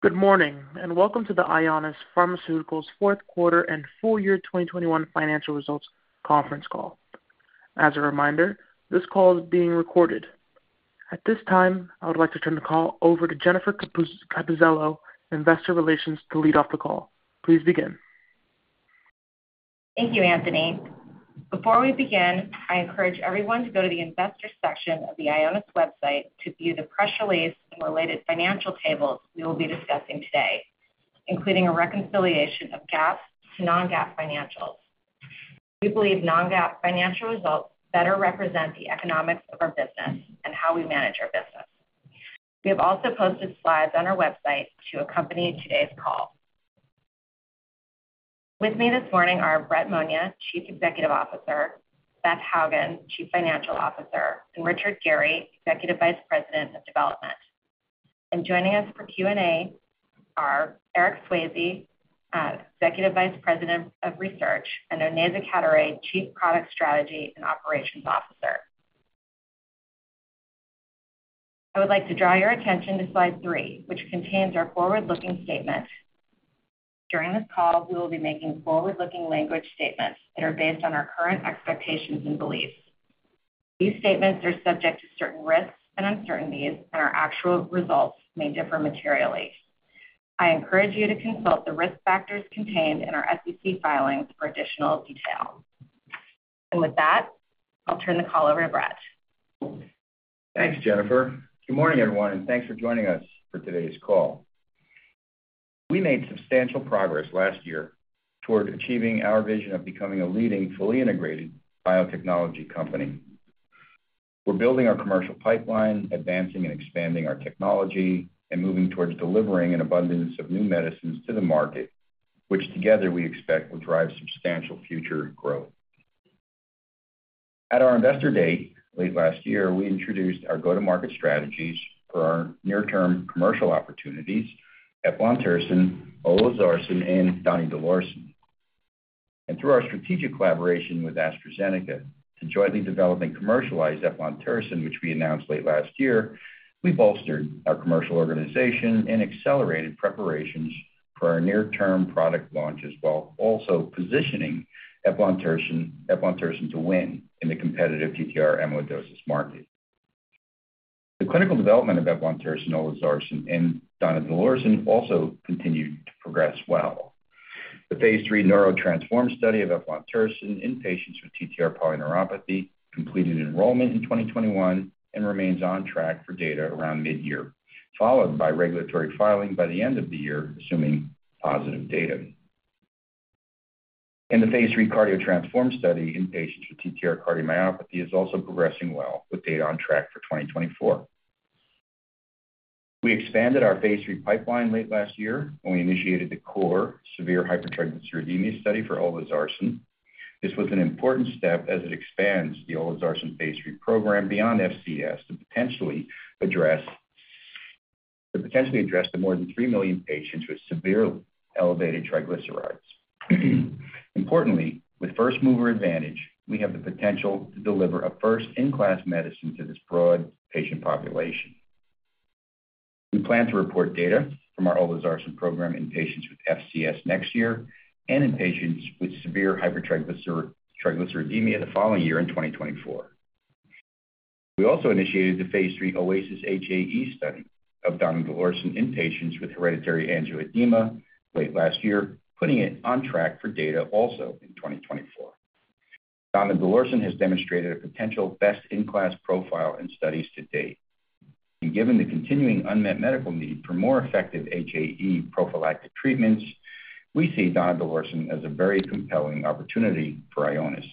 Good morning, and welcome to the Ionis Pharmaceuticals fourth quarter and full year 2021 financial results conference call. As a reminder, this call is being recorded. At this time, I would like to turn the call over to Jennifer Capuzelo, Investor Relations, to lead off the call. Please begin. Thank you, Anthony. Before we begin, I encourage everyone to go to the Investors section of the Ionis website to view the press release and related financial tables we will be discussing today, including a reconciliation of GAAP to non-GAAP financials. We believe non-GAAP financial results better represent the economics of our business and how we manage our business. We have also posted slides on our website to accompany today's call. With me this morning are Brett Monia, Chief Executive Officer, Beth Hougen, Chief Financial Officer, and Richard Geary, Executive Vice President of Development. Joining us for Q&A are Eric Swayze, Executive Vice President of Research, and Onaiza Cadoret-Manier, Chief Product Strategy and Operations Officer. I would like to draw your attention to slide 3, which contains our forward-looking statement. During this call, we will be making forward-looking language statements that are based on our current expectations and beliefs. These statements are subject to certain risks and uncertainties, and our actual results may differ materially. I encourage you to consult the risk factors contained in our SEC filings for additional detail. With that, I'll turn the call over to Brett. Thanks, Jennifer. Good morning, everyone, and thanks for joining us for today's call. We made substantial progress last year toward achieving our vision of becoming a leading fully integrated biotechnology company. We're building our commercial pipeline, advancing and expanding our technology, and moving towards delivering an abundance of new medicines to the market, which together we expect will drive substantial future growth. At our Investor Day late last year, we introduced our go-to-market strategies for our near-term commercial opportunities, Eplontersen, Olezarsen, and Donidalorsen. Through our strategic collaboration with AstraZeneca to jointly develop and commercialize Eplontersen, which we announced late last year, we bolstered our commercial organization and accelerated preparations for our near-term product launches while also positioning Eplontersen to win in the competitive TTR amyloidosis market. The clinical development of Eplontersen, Olezarsen, and Donidalorsen also continued to progress well. The phase III NEURO-TTRansform study of Eplontersen in patients with ATTR polyneuropathy completed enrollment in 2021 and remains on track for data around mid-year, followed by regulatory filing by the end of the year, assuming positive data. The phase III CARDIO-TTRansform study in patients with ATTR cardiomyopathy is also progressing well with data on track for 2024. We expanded our phase III pipeline late last year when we initiated the CORE severe hypertriglyceridemia study for Olezarsen. This was an important step as it expands the Olezarsen phase III program beyond FCS to potentially address the more than three million patients with severe elevated triglycerides. Importantly, with first mover advantage, we have the potential to deliver a first-in-class medicine to this broad patient population. We plan to report data from our Olezarsen program in patients with FCS next year and in patients with severe hypertriglyceridemia the following year in 2024. We also initiated the phase III OASIS-HAE study of Donidalorsen in patients with hereditary angioedema late last year, putting it on track for data also in 2024. Donidalorsen has demonstrated a potential best-in-class profile in studies to date. Given the continuing unmet medical need for more effective HAE prophylactic treatments, we see Donidalorsen as a very compelling opportunity for Ionis.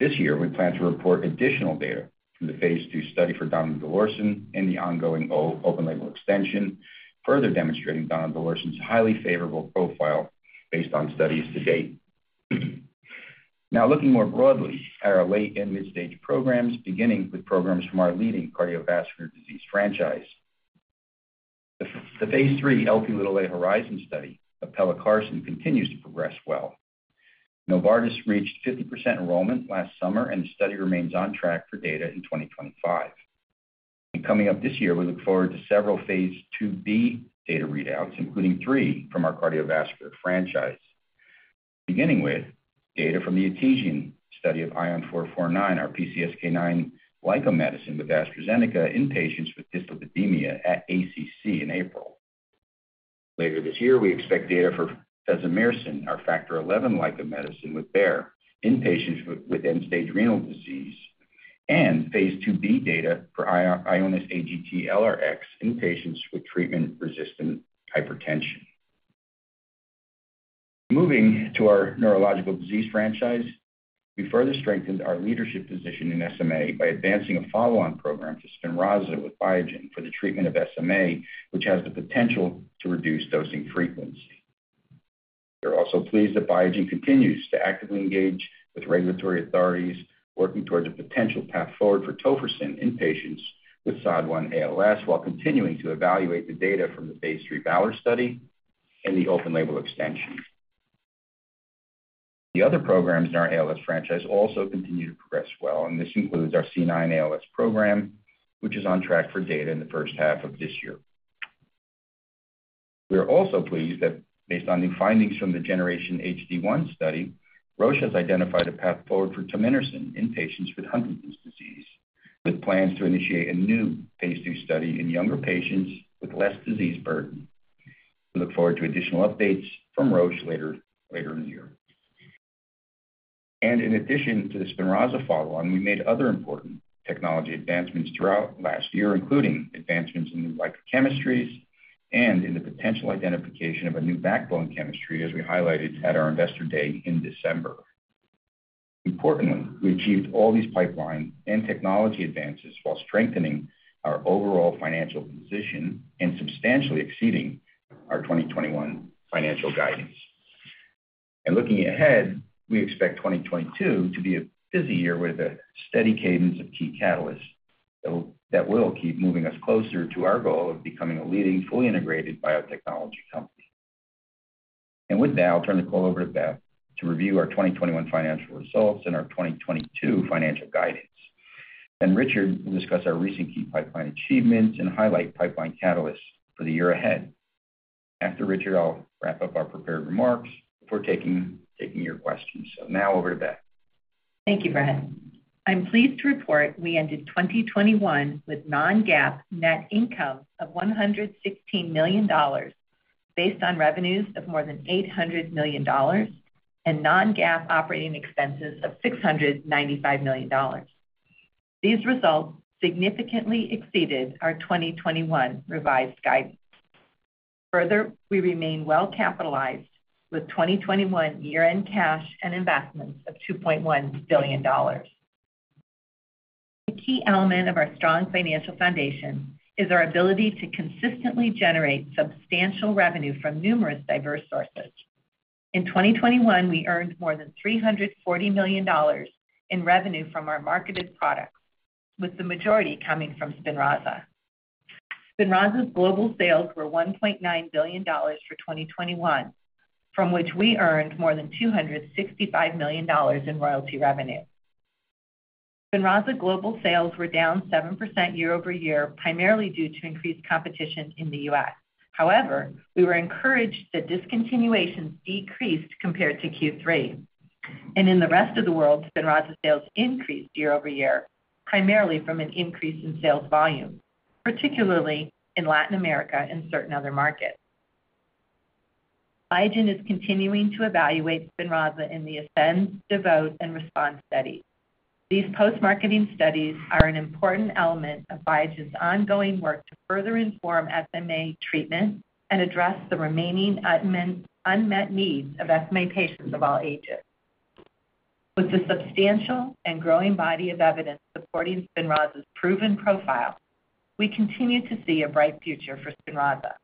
This year, we plan to report additional data from the phase II study for Donidalorsen and the ongoing open-label extension, further demonstrating Donidalorsen's highly favorable profile based on studies to date. Now looking more broadly at our late and mid-stage programs, beginning with programs from our leading cardiovascular disease franchise. The phase III Lp(a) HORIZON study of Pelacarsen continues to progress well. Novartis reached 50% enrollment last summer, and the study remains on track for data in 2025. Coming up this year, we look forward to several phase IIb data readouts, including three from our cardiovascular franchise. Beginning with data from the ETESIAN study of ION449, our PCSK9 LICA medicine with AstraZeneca in patients with dyslipidemia at ACC in April. Later this year, we expect data for Fesomersen, our factor XI LICA medicine with Bayer in patients with end-stage renal disease and phase IIb data for IONIS-AGT-LRx in patients with treatment-resistant hypertension. Moving to our neurological disease franchise, we further strengthened our leadership position in SMA by advancing a follow-on program to Spinraza with Biogen for the treatment of SMA, which has the potential to reduce dosing frequency. We're also pleased that Biogen continues to actively engage with regulatory authorities working towards a potential path forward for Tofersen in patients with SOD1-ALS while continuing to evaluate the data from the phase III VALOR study and the open label extension. The other programs in our ALS franchise also continue to progress well, and this includes our C9 ALS program, which is on track for data in the first half of this year. We are also pleased that based on new findings from the GENERATION HD1 study, Roche has identified a path forward for Tominersen in patients with Huntington's disease, with plans to initiate a new phase II study in younger patients with less disease burden. We look forward to additional updates from Roche later in the year. In addition to the Spinraza follow-on, we made other important technology advancements throughout last year, including advancements in new biochemistry and in the potential identification of a new backbone chemistry, as we highlighted at our Investor Day in December. Importantly, we achieved all these pipeline and technology advances while strengthening our overall financial position and substantially exceeding our 2021 financial guidance. Looking ahead, we expect 2022 to be a busy year with a steady cadence of key catalysts that will keep moving us closer to our goal of becoming a leading, fully integrated biotechnology company. With that, I'll turn the call over to Beth to review our 2021 financial results and our 2022 financial guidance. Richard will discuss our recent key pipeline achievements and highlight pipeline catalysts for the year ahead. After Richard, I'll wrap up our prepared remarks before taking your questions. Now over to Beth. Thank you, Brett. I'm pleased to report we ended 2021 with non-GAAP net income of $116 million based on revenues of more than $800 million and non-GAAP operating expenses of $695 million. These results significantly exceeded our 2021 revised guidance. Further, we remain well capitalized with 2021 year-end cash and investments of $2.1 billion. A key element of our strong financial foundation is our ability to consistently generate substantial revenue from numerous diverse sources. In 2021, we earned more than $340 million in revenue from our marketed products, with the majority coming from Spinraza. Spinraza's global sales were $1.9 billion for 2021, from which we earned more than $265 million in royalty revenue. Spinraza global sales were down 7% year-over-year, primarily due to increased competition in the U.S. However, we were encouraged that discontinuations decreased compared to Q3. In the rest of the world, Spinraza sales increased year-over-year, primarily from an increase in sales volume, particularly in Latin America and certain other markets. Biogen is continuing to evaluate Spinraza in the ASCEND, DEVOTE, and RESPOND studies. These post-marketing studies are an important element of Biogen's ongoing work to further inform SMA treatment and address the remaining unmet needs of SMA patients of all ages. With the substantial and growing body of evidence supporting Spinraza's proven profile, we continue to see a bright future for Spinraza.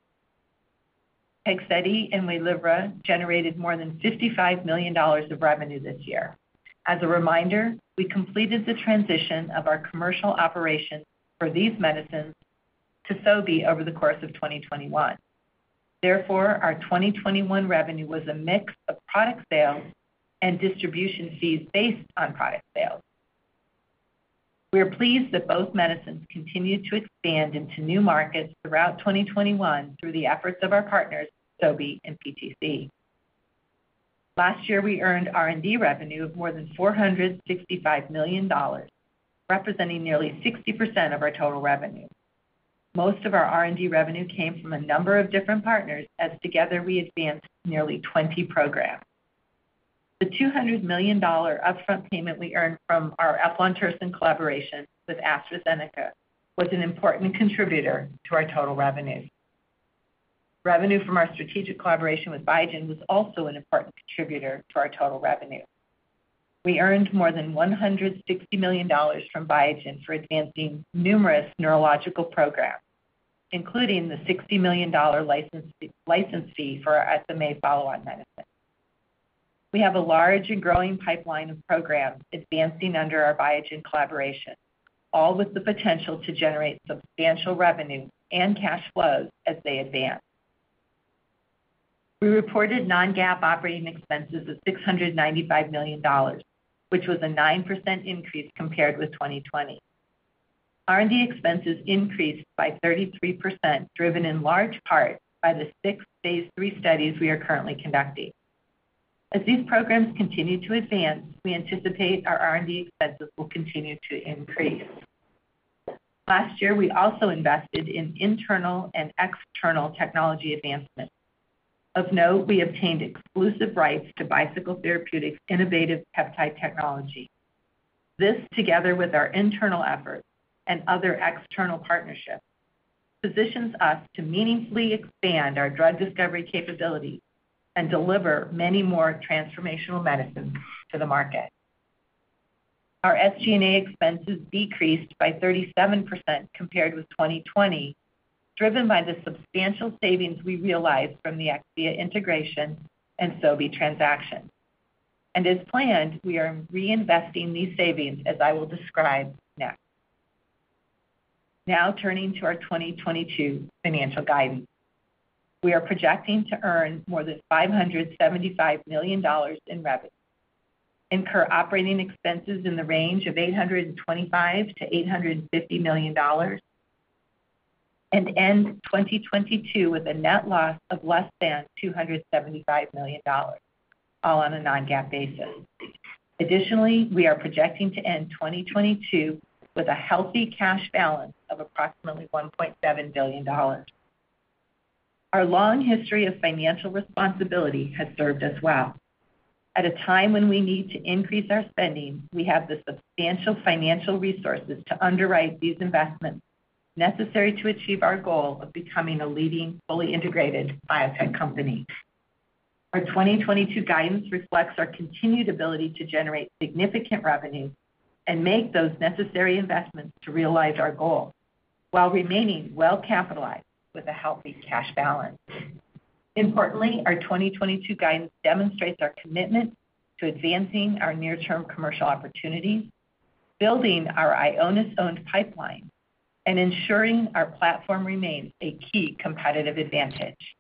Tegsedi and Waylivra generated more than $55 million of revenue this year. As a reminder, we completed the transition of our commercial operations for these medicines to Sobi over the course of 2021. Therefore, our 2021 revenue was a mix of product sales and distribution fees based on product sales. We are pleased that both medicines continued to expand into new markets throughout 2021 through the efforts of our partners, Sobi and PTC. Last year, we earned R&D revenue of more than $465 million, representing nearly 60% of our total revenue. Most of our R&D revenue came from a number of different partners as together we advanced nearly 20 programs. The $200 million upfront payment we earned from our Eplontersen collaboration with AstraZeneca was an important contributor to our total revenue. Revenue from our strategic collaboration with Biogen was also an important contributor to our total revenue. We earned more than $160 million from Biogen for advancing numerous neurological programs, including the $60 million license fee for our SMA follow-on medicine. We have a large and growing pipeline of programs advancing under our Biogen collaboration, all with the potential to generate substantial revenue and cash flows as they advance. We reported non-GAAP operating expenses of $695 million, which was a 9% increase compared with 2020. R&D expenses increased by 33%, driven in large part by the 6 phase III studies we are currently conducting. As these programs continue to advance, we anticipate our R&D expenses will continue to increase. Last year, we also invested in internal and external technology advancements. Of note, we obtained exclusive rights to Bicycle Therapeutics' innovative peptide technology. This, together with our internal efforts and other external partnerships, positions us to meaningfully expand our drug discovery capabilities and deliver many more transformational medicines to the market. Our SG&A expenses decreased by 37% compared with 2020, driven by the substantial savings we realized from the Akcea integration and Sobi transaction. As planned, we are reinvesting these savings, as I will describe next. Now turning to our 2022 financial guidance. We are projecting to earn more than $575 million in revenue, incur operating expenses in the range of $825 million to $850 million, and end 2022 with a net loss of less than $275 million, all on a non-GAAP basis. Additionally, we are projecting to end 2022 with a healthy cash balance of approximately $1.7 billion. Our long history of financial responsibility has served us well. At a time when we need to increase our spending, we have the substantial financial resources to underwrite these investments necessary to achieve our goal of becoming a leading fully integrated biotech company. Our 2022 guidance reflects our continued ability to generate significant revenue and make those necessary investments to realize our goal while remaining well-capitalized with a healthy cash balance. Importantly, our 2022 guidance demonstrates our commitment to advancing our near-term commercial opportunities, building our Ionis-owned pipeline, and ensuring our platform remains a key competitive advantage.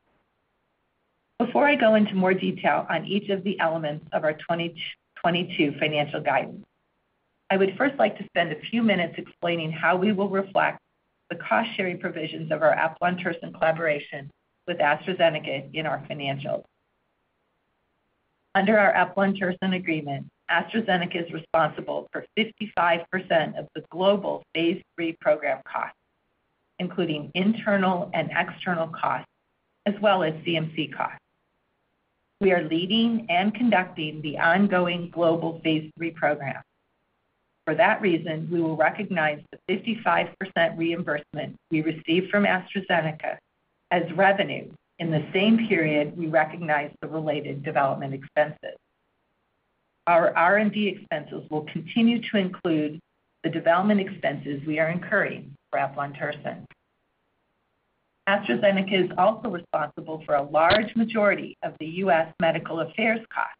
Before I go into more detail on each of the elements of our 2022 financial guidance, I would first like to spend a few minutes explaining how we will reflect the cost-sharing provisions of our Eplontersen collaboration with AstraZeneca in our financials. Under our Eplontersen Agreement, AstraZeneca is responsible for 55% of the global phase III program costs, including internal and external costs, as well as CMC costs. We are leading and conducting the ongoing global phase III program. For that reason, we will recognize the 55% reimbursement we receive from AstraZeneca as revenue in the same period we recognize the related development expenses. Our R&D expenses will continue to include the development expenses we are incurring for Eplontersen. AstraZeneca is also responsible for a large majority of the U.S. medical affairs costs.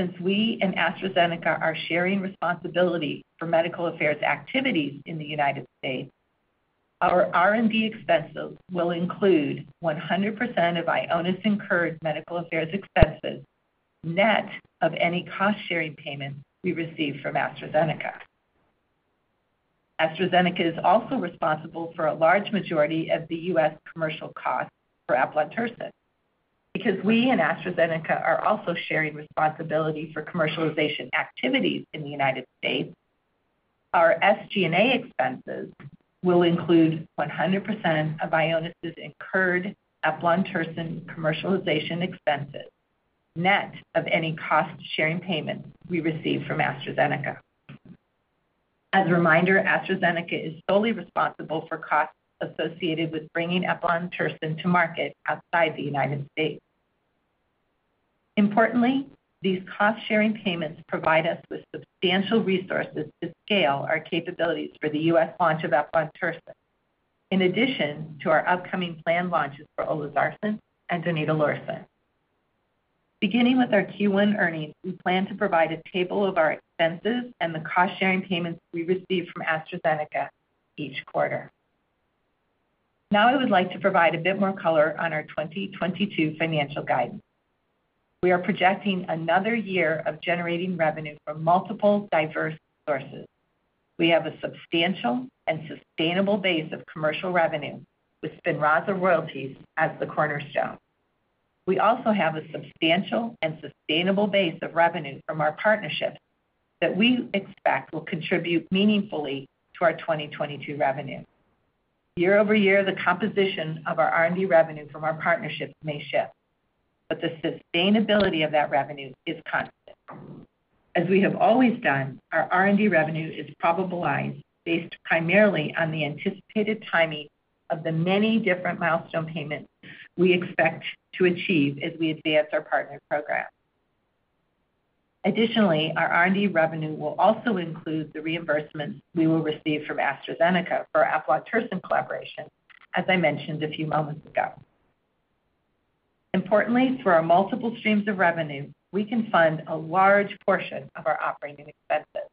Since we and AstraZeneca are sharing responsibility for medical affairs activities in the United States, our R&D expenses will include 100% of Ionis's incurred medical affairs expenses, net of any cost-sharing payments we receive from AstraZeneca. AstraZeneca is also responsible for a large majority of the U.S. commercial costs for Eplontersen. Because we and AstraZeneca are also sharing responsibility for commercialization activities in the United States, our SG&A expenses will include 100% of Ionis's incurred Eplontersen commercialization expenses, net of any cost-sharing payments we receive from AstraZeneca. As a reminder, AstraZeneca is solely responsible for costs associated with bringing Eplontersen to market outside the United States. Importantly, these cost-sharing payments provide us with substantial resources to scale our capabilities for the U.S. launch of Eplontersen, in addition to our upcoming planned launches for Olezarsen and Donidalorsen. Beginning with our Q1 earnings, we plan to provide a table of our expenses and the cost-sharing payments we receive from AstraZeneca each quarter. Now I would like to provide a bit more color on our 2022 financial guidance. We are projecting another year of generating revenue from multiple diverse sources. We have a substantial and sustainable base of commercial revenue, with Spinraza royalties as the cornerstone. We also have a substantial and sustainable base of revenue from our partnerships that we expect will contribute meaningfully to our 2022 revenue. Year-over-year, the composition of our R&D revenue from our partnerships may shift, but the sustainability of that revenue is constant. As we have always done, our R&D revenue is probabilized based primarily on the anticipated timing of the many different milestone payments we expect to achieve as we advance our partner programs. Additionally, our R&D revenue will also include the reimbursements we will receive from AstraZeneca for our Eplontersen collaboration, as I mentioned a few moments ago. Importantly, through our multiple streams of revenue, we can fund a large portion of our operating expenses.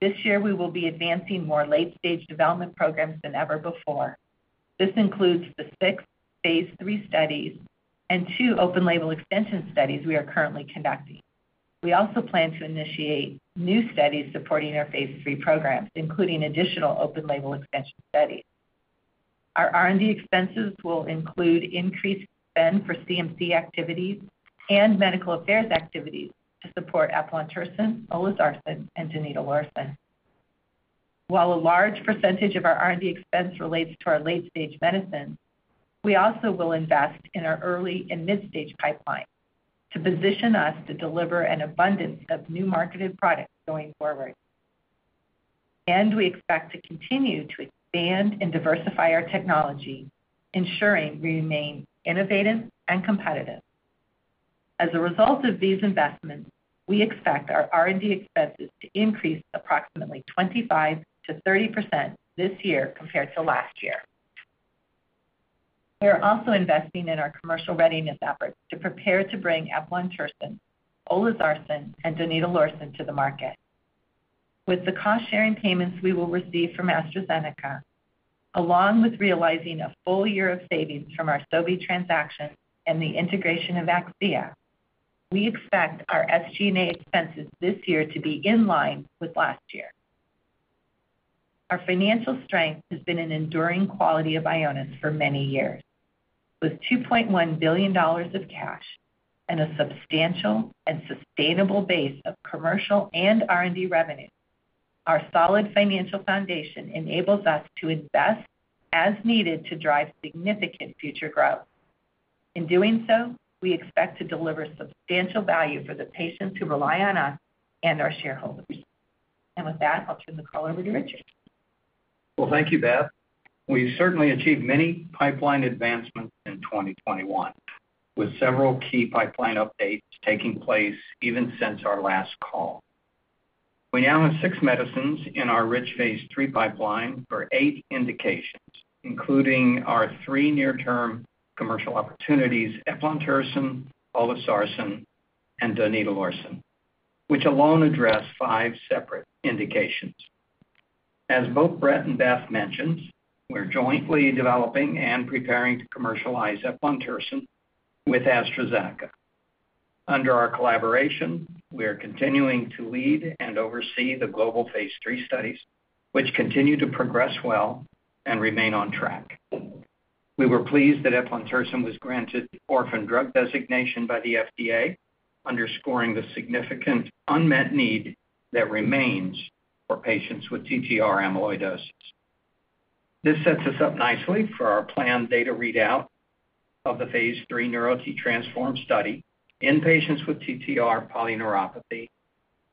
This year, we will be advancing more late-stage development programs than ever before. This includes the six phase III studies and two open-label extension studies we are currently conducting. We also plan to initiate new studies supporting our phase III programs, including additional open-label extension studies. Our R&D expenses will include increased spend for CMC activities and medical affairs activities to support Eplontersen, Olezarsen, and Donidalorsen. While a large percentage of our R&D expense relates to our late-stage medicines, we also will invest in our early and mid-stage pipeline to position us to deliver an abundance of new marketed products going forward. We expect to continue to expand and diversify our technology, ensuring we remain innovative and competitive. As a result of these investments, we expect our R&D expenses to increase approximately 25% to 30% this year compared to last year. We are also investing in our commercial readiness efforts to prepare to bring Eplontersen, Olezarsen, and Donidalorsen to the market. With the cost-sharing payments we will receive from AstraZeneca, along with realizing a full year of savings from our Sobi transaction and the integration of Akcea, we expect our SG&A expenses this year to be in line with last year. Our financial strength has been an enduring quality of Ionis for many years. With $2.1 billion of cash and a substantial and sustainable base of commercial and R&D revenue, our solid financial foundation enables us to invest as needed to drive significant future growth. In doing so, we expect to deliver substantial value for the patients who rely on us and our shareholders. With that, I'll turn the call over to Richard. Well, thank you, Beth. We certainly achieved many pipeline advancements in 2021, with several key pipeline updates taking place even since our last call. We now have six medicines in our rich phase III pipeline for eight indications, including our three near-term commercial opportunities, Eplontersen, Olezarsen, and Donidalorsen, which alone address five separate indications. As both Brett and Beth mentioned, we're jointly developing and preparing to commercialize Eplontersen with AstraZeneca. Under our collaboration, we are continuing to lead and oversee the global phase III studies, which continue to progress well and remain on track. We were pleased that Eplontersen was granted Orphan Drug Designation by the FDA, underscoring the significant unmet need that remains for patients with ATTR amyloidosis. This sets us up nicely for our planned data readout of the phase III NEURO-TTRansform study in patients with ATTR polyneuropathy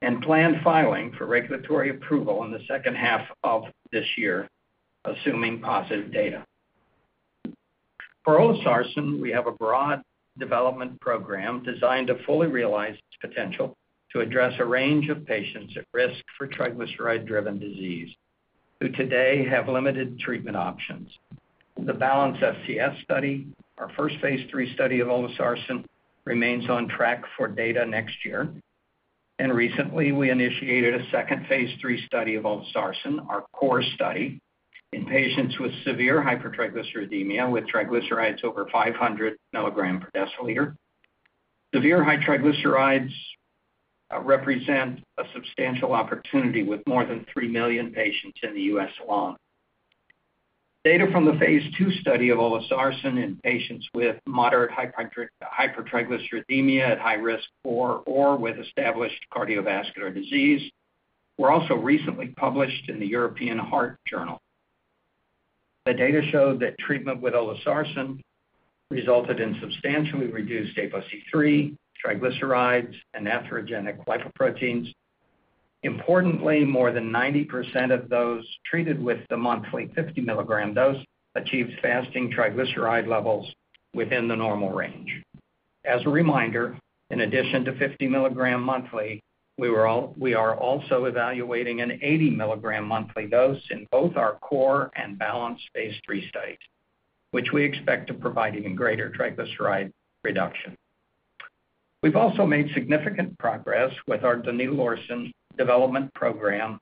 and planned filing for regulatory approval in the second half of this year, assuming positive data. For Olezarsen, we have a broad development program designed to fully realize its potential to address a range of patients at risk for triglyceride-driven disease, who today have limited treatment options. The BALANCE-FCS study, our first phase III study of Olezarsen, remains on track for data next year. Recently, we initiated a second phase III study of Olezarsen, our CORE study, in patients with severe hypertriglyceridemia with triglycerides over 500 mg/dL. Severe high triglycerides represent a substantial opportunity with more than three million patients in the U.S. alone. Data from the phase II study of Olezarsen in patients with moderate hypertriglyceridemia at high risk for or with established cardiovascular disease were also recently published in the European Heart Journal. The data showed that treatment with Olezarsen resulted in substantially reduced apoC-III, triglycerides, and atherogenic lipoproteins. Importantly, more than 90% of those treated with the monthly 50 mg dose achieved fasting triglyceride levels within the normal range. As a reminder, in addition to 50 mg monthly, we are also evaluating an 80 mg monthly dose in both our CORE and BALANCE phase III studies, which we expect to provide even greater triglyceride reduction. We have also made significant progress with our Donidalorsen development program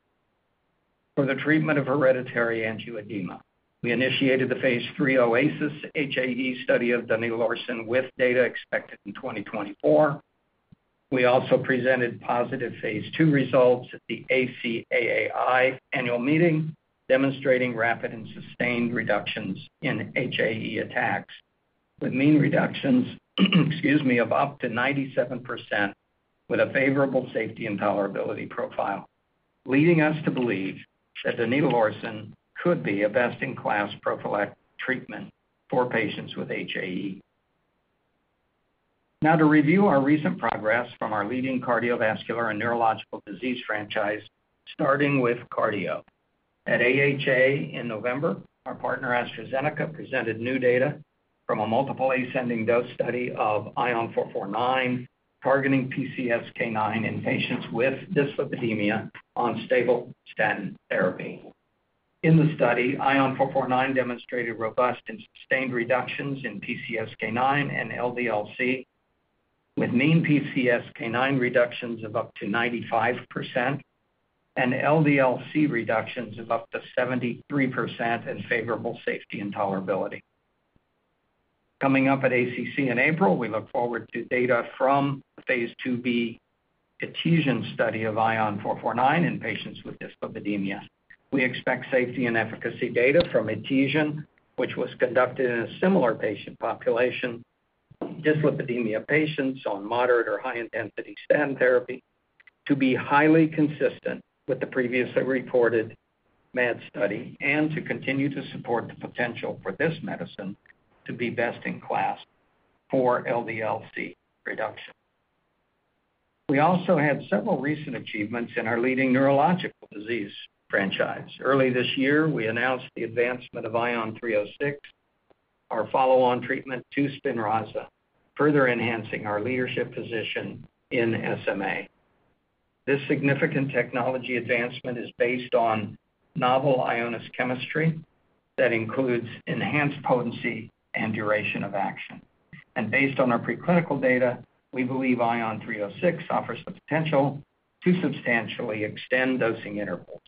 for the treatment of hereditary angioedema. We initiated the phase III OASIS-HAE study of Donidalorsen with data expected in 2024. We also presented positive phase II results at the ACAAI annual meeting, demonstrating rapid and sustained reductions in HAE attacks with mean reductions, excuse me, of up to 97% with a favorable safety and tolerability profile, leading us to believe that Donidalorsen could be a best-in-class prophylactic treatment for patients with HAE. Now to review our recent progress from our leading cardiovascular and neurological disease franchise, starting with cardio. At AHA in November, our partner AstraZeneca presented new data from a multiple ascending dose study of ION449 targeting PCSK9 in patients with dyslipidemia on stable statin therapy. In the study, ION449 demonstrated robust and sustained reductions in PCSK9 and LDL-C, with mean PCSK9 reductions of up to 95% and LDL-C reductions of up to 73% and favorable safety and tolerability. Coming up at ACC in April, we look forward to data from the phase IIb ETESIAN study of ION449 in patients with dyslipidemia. We expect safety and efficacy data from ETESIAN, which was conducted in a similar patient population, dyslipidemia patients on moderate or high-intensity statin therapy, to be highly consistent with the previously reported MAD study and to continue to support the potential for this medicine to be best in class for LDL-C reduction. We also had several recent achievements in our leading neurological disease franchise. Early this year, we announced the advancement of ION-306, our follow-on treatment to Spinraza, further enhancing our leadership position in SMA. This significant technology advancement is based on novel Ionis chemistry that includes enhanced potency and duration of action. Based on our preclinical data, we believe ION-306 offers the potential to substantially extend dosing intervals.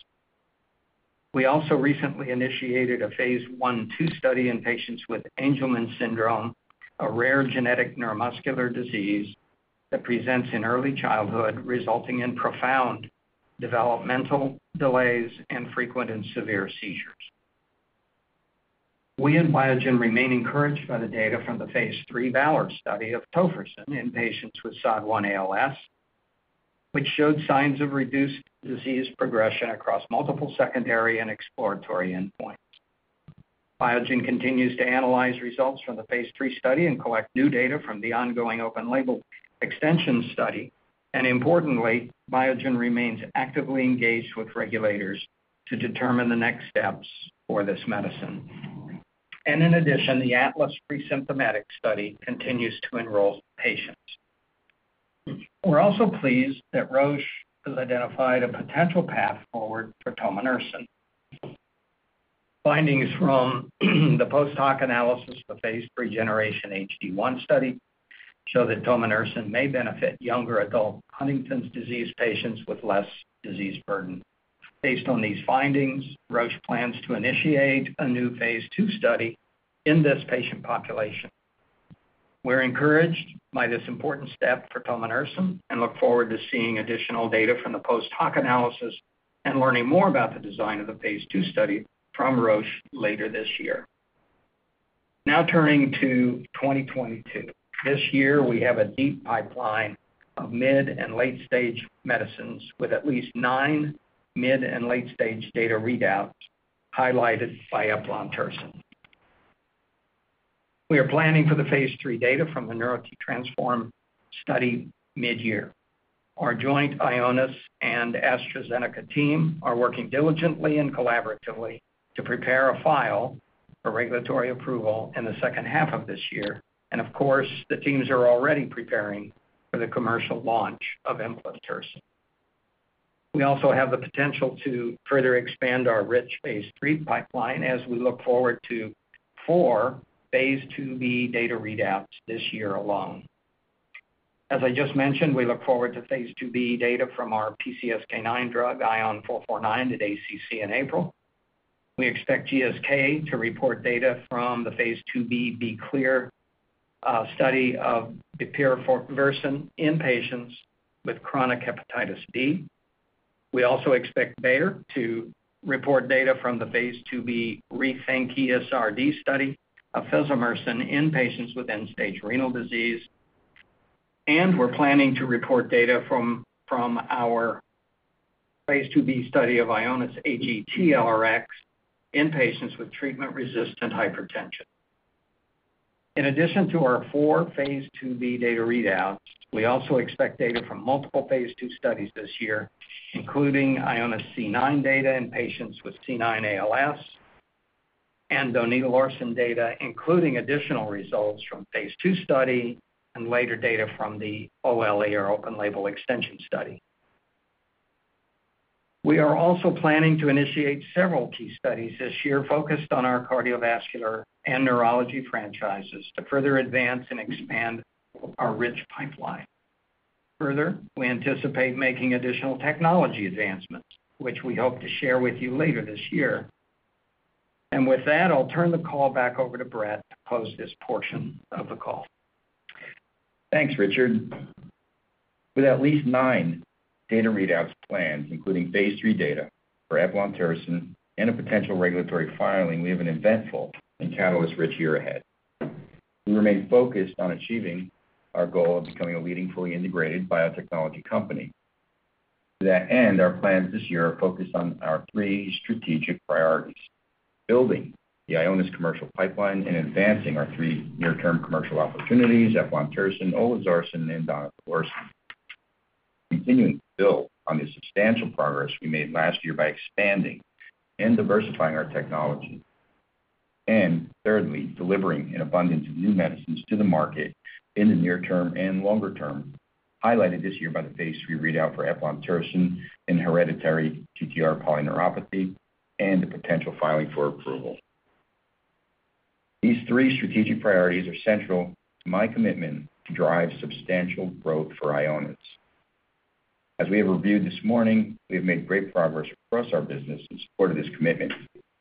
We also recently initiated a phase I/II study in patients with Angelman syndrome, a rare genetic neuromuscular disease that presents in early childhood, resulting in profound developmental delays and frequent and severe seizures. We at Biogen remain encouraged by the data from the phase III VALOR study of Tofersen in patients with SOD1-ALS, which showed signs of reduced disease progression across multiple secondary and exploratory endpoints. Biogen continues to analyze results from the phase III study and collect new data from the ongoing open-label extension study. Importantly, Biogen remains actively engaged with regulators to determine the next steps for this medicine. In addition, the ATLAS presymptomatic study continues to enroll patients. We're also pleased that Roche has identified a potential path forward for Tominersen. Findings from the post-hoc analysis of the phase III GENERATION HD1 study show that Tominersen may benefit younger adult Huntington's disease patients with less disease burden. Based on these findings, Roche plans to initiate a new phase II study in this patient population. We're encouraged by this important step for Tominersen and look forward to seeing additional data from the post-hoc analysis and learning more about the design of the phase II study from Roche later this year. Now turning to 2022. This year we have a deep pipeline of mid and late-stage medicines with at least nine mid and late stage data readouts highlighted by Eplontersen. We are planning for the phase III data from the NEURO-TTRansform study mid-year. Our joint Ionis and AstraZeneca team are working diligently and collaboratively to prepare a file for regulatory approval in the second half of this year. Of course, the teams are already preparing for the commercial launch of Eplontersen. We also have the potential to further expand our rich phase III pipeline as we look forward to four phase IIb data readouts this year alone. As I just mentioned, we look forward to phase IIb data from our PCSK9 drug ION449 at ACC in April. We expect GSK to report data from the phase IIb B-Clear study of Bepirovirsen in patients with chronic hepatitis B. We also expect Bayer to report data from the phase IIb RE-THINC ESRD study of Fesomersen in patients with end-stage renal disease. We're planning to report data from our phase IIb study of IONIS-AGT-LRx in patients with treatment-resistant hypertension. In addition to our four phase IIb data readouts, we also expect data from multiple phase II studies this year, including Ionis C9 data in patients with C9 ALS and Donidalorsen data, including additional results from phase II study and later data from the OLE or open label extension study. We are also planning to initiate several key studies this year focused on our cardiovascular and neurology franchises to further advance and expand our rich pipeline. Further, we anticipate making additional technology advancements, which we hope to share with you later this year. With that, I'll turn the call back over to Brett to close this portion of the call. Thanks, Richard. With at least nine data readouts planned, including phase III data for Eplontersen and a potential regulatory filing, we have an eventful and catalyst-rich year ahead. We remain focused on achieving our goal of becoming a leading fully integrated biotechnology company. To that end, our plans this year are focused on our three strategic priorities. Building the Ionis commercial pipeline and advancing our three near-term commercial opportunities, Eplontersen, Olezarsen, and Donidalorsen. Continuing to build on the substantial progress we made last year by expanding and diversifying our technology. Thirdly, delivering an abundance of new medicines to the market in the near term and longer term, highlighted this year by the phase III readout for Eplontersen in hereditary ATTR polyneuropathy and the potential filing for approval. These three strategic priorities are central to my commitment to drive substantial growth for Ionis. As we have reviewed this morning, we have made great progress across our business in support of this commitment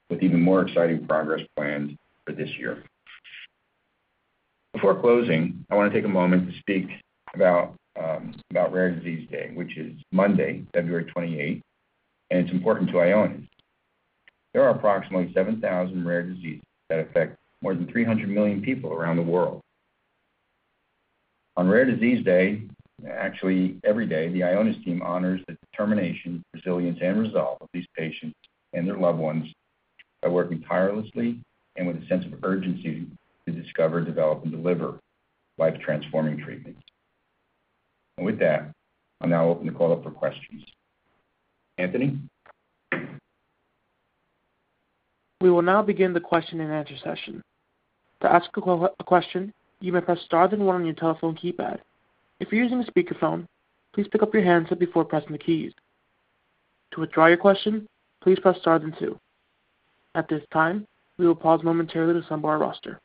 with even more exciting progress plans for this year. Before closing, I want to take a moment to speak about about Rare Disease Day, which is Monday, February 28, and it's important to Ionis. There are approximately 7,000 rare diseases that affect more than 300 million people around the world. On Rare Disease Day, actually every day, the Ionis team honors the determination, resilience, and resolve of these patients and their loved ones by working tirelessly and with a sense of urgency to discover, develop, and deliver life-transforming treatments. With that, I'll now open the call up for questions. Anthony? We will now begin the question-and-answer session. To ask a question, you may press star then one on your telephone keypad. If you're using a speakerphone, please pick up your handset before pressing the keys. To withdraw your question, please press star then two. At this time, we will pause momentarily to assemble our roster.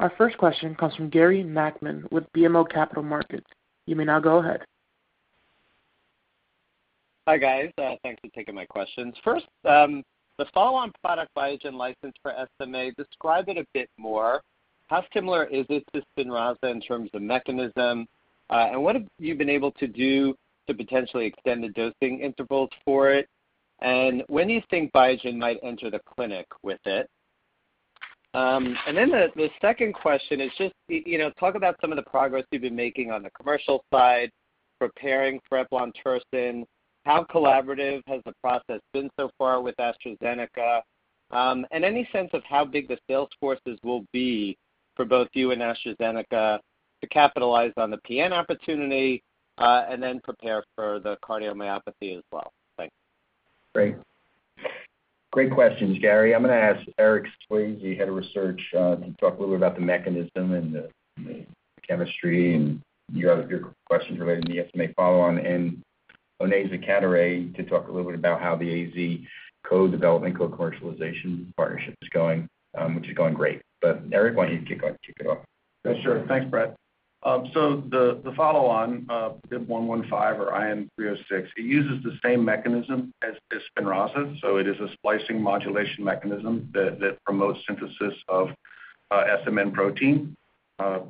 Our first question comes from Gary Nachman with BMO Capital Markets. You may now go ahead. Hi, guys. Thanks for taking my questions. First, the follow-on product Biogen licensed for SMA, describe it a bit more. How similar is this to Spinraza in terms of mechanism? What have you been able to do to potentially extend the dosing intervals for it? When do you think Biogen might enter the clinic with it? The second question is just, you know, talk about some of the progress you've been making on the commercial side, preparing for Eplontersen. How collaborative has the process been so far with AstraZeneca? Any sense of how big the sales forces will be for both you and AstraZeneca to capitalize on the PN opportunity, and then prepare for the cardiomyopathy as well? Thanks. Great. Great questions, Gary. I'm gonna ask Eric Swayze, Head of Research, to talk a little bit about the mechanism and the chemistry and your other questions relating to the SMA follow-on. Onaiza Cadoret-Manier to talk a little bit about how the AZ co-development, co-commercialization partnership is going, which is going great. Eric, why don't you kick it off? Yeah, sure. Thanks, Brett. The follow-on, BIIB115 or ION-306, uses the same mechanism as Spinraza. It is a splicing modulation mechanism that promotes synthesis of SMN protein,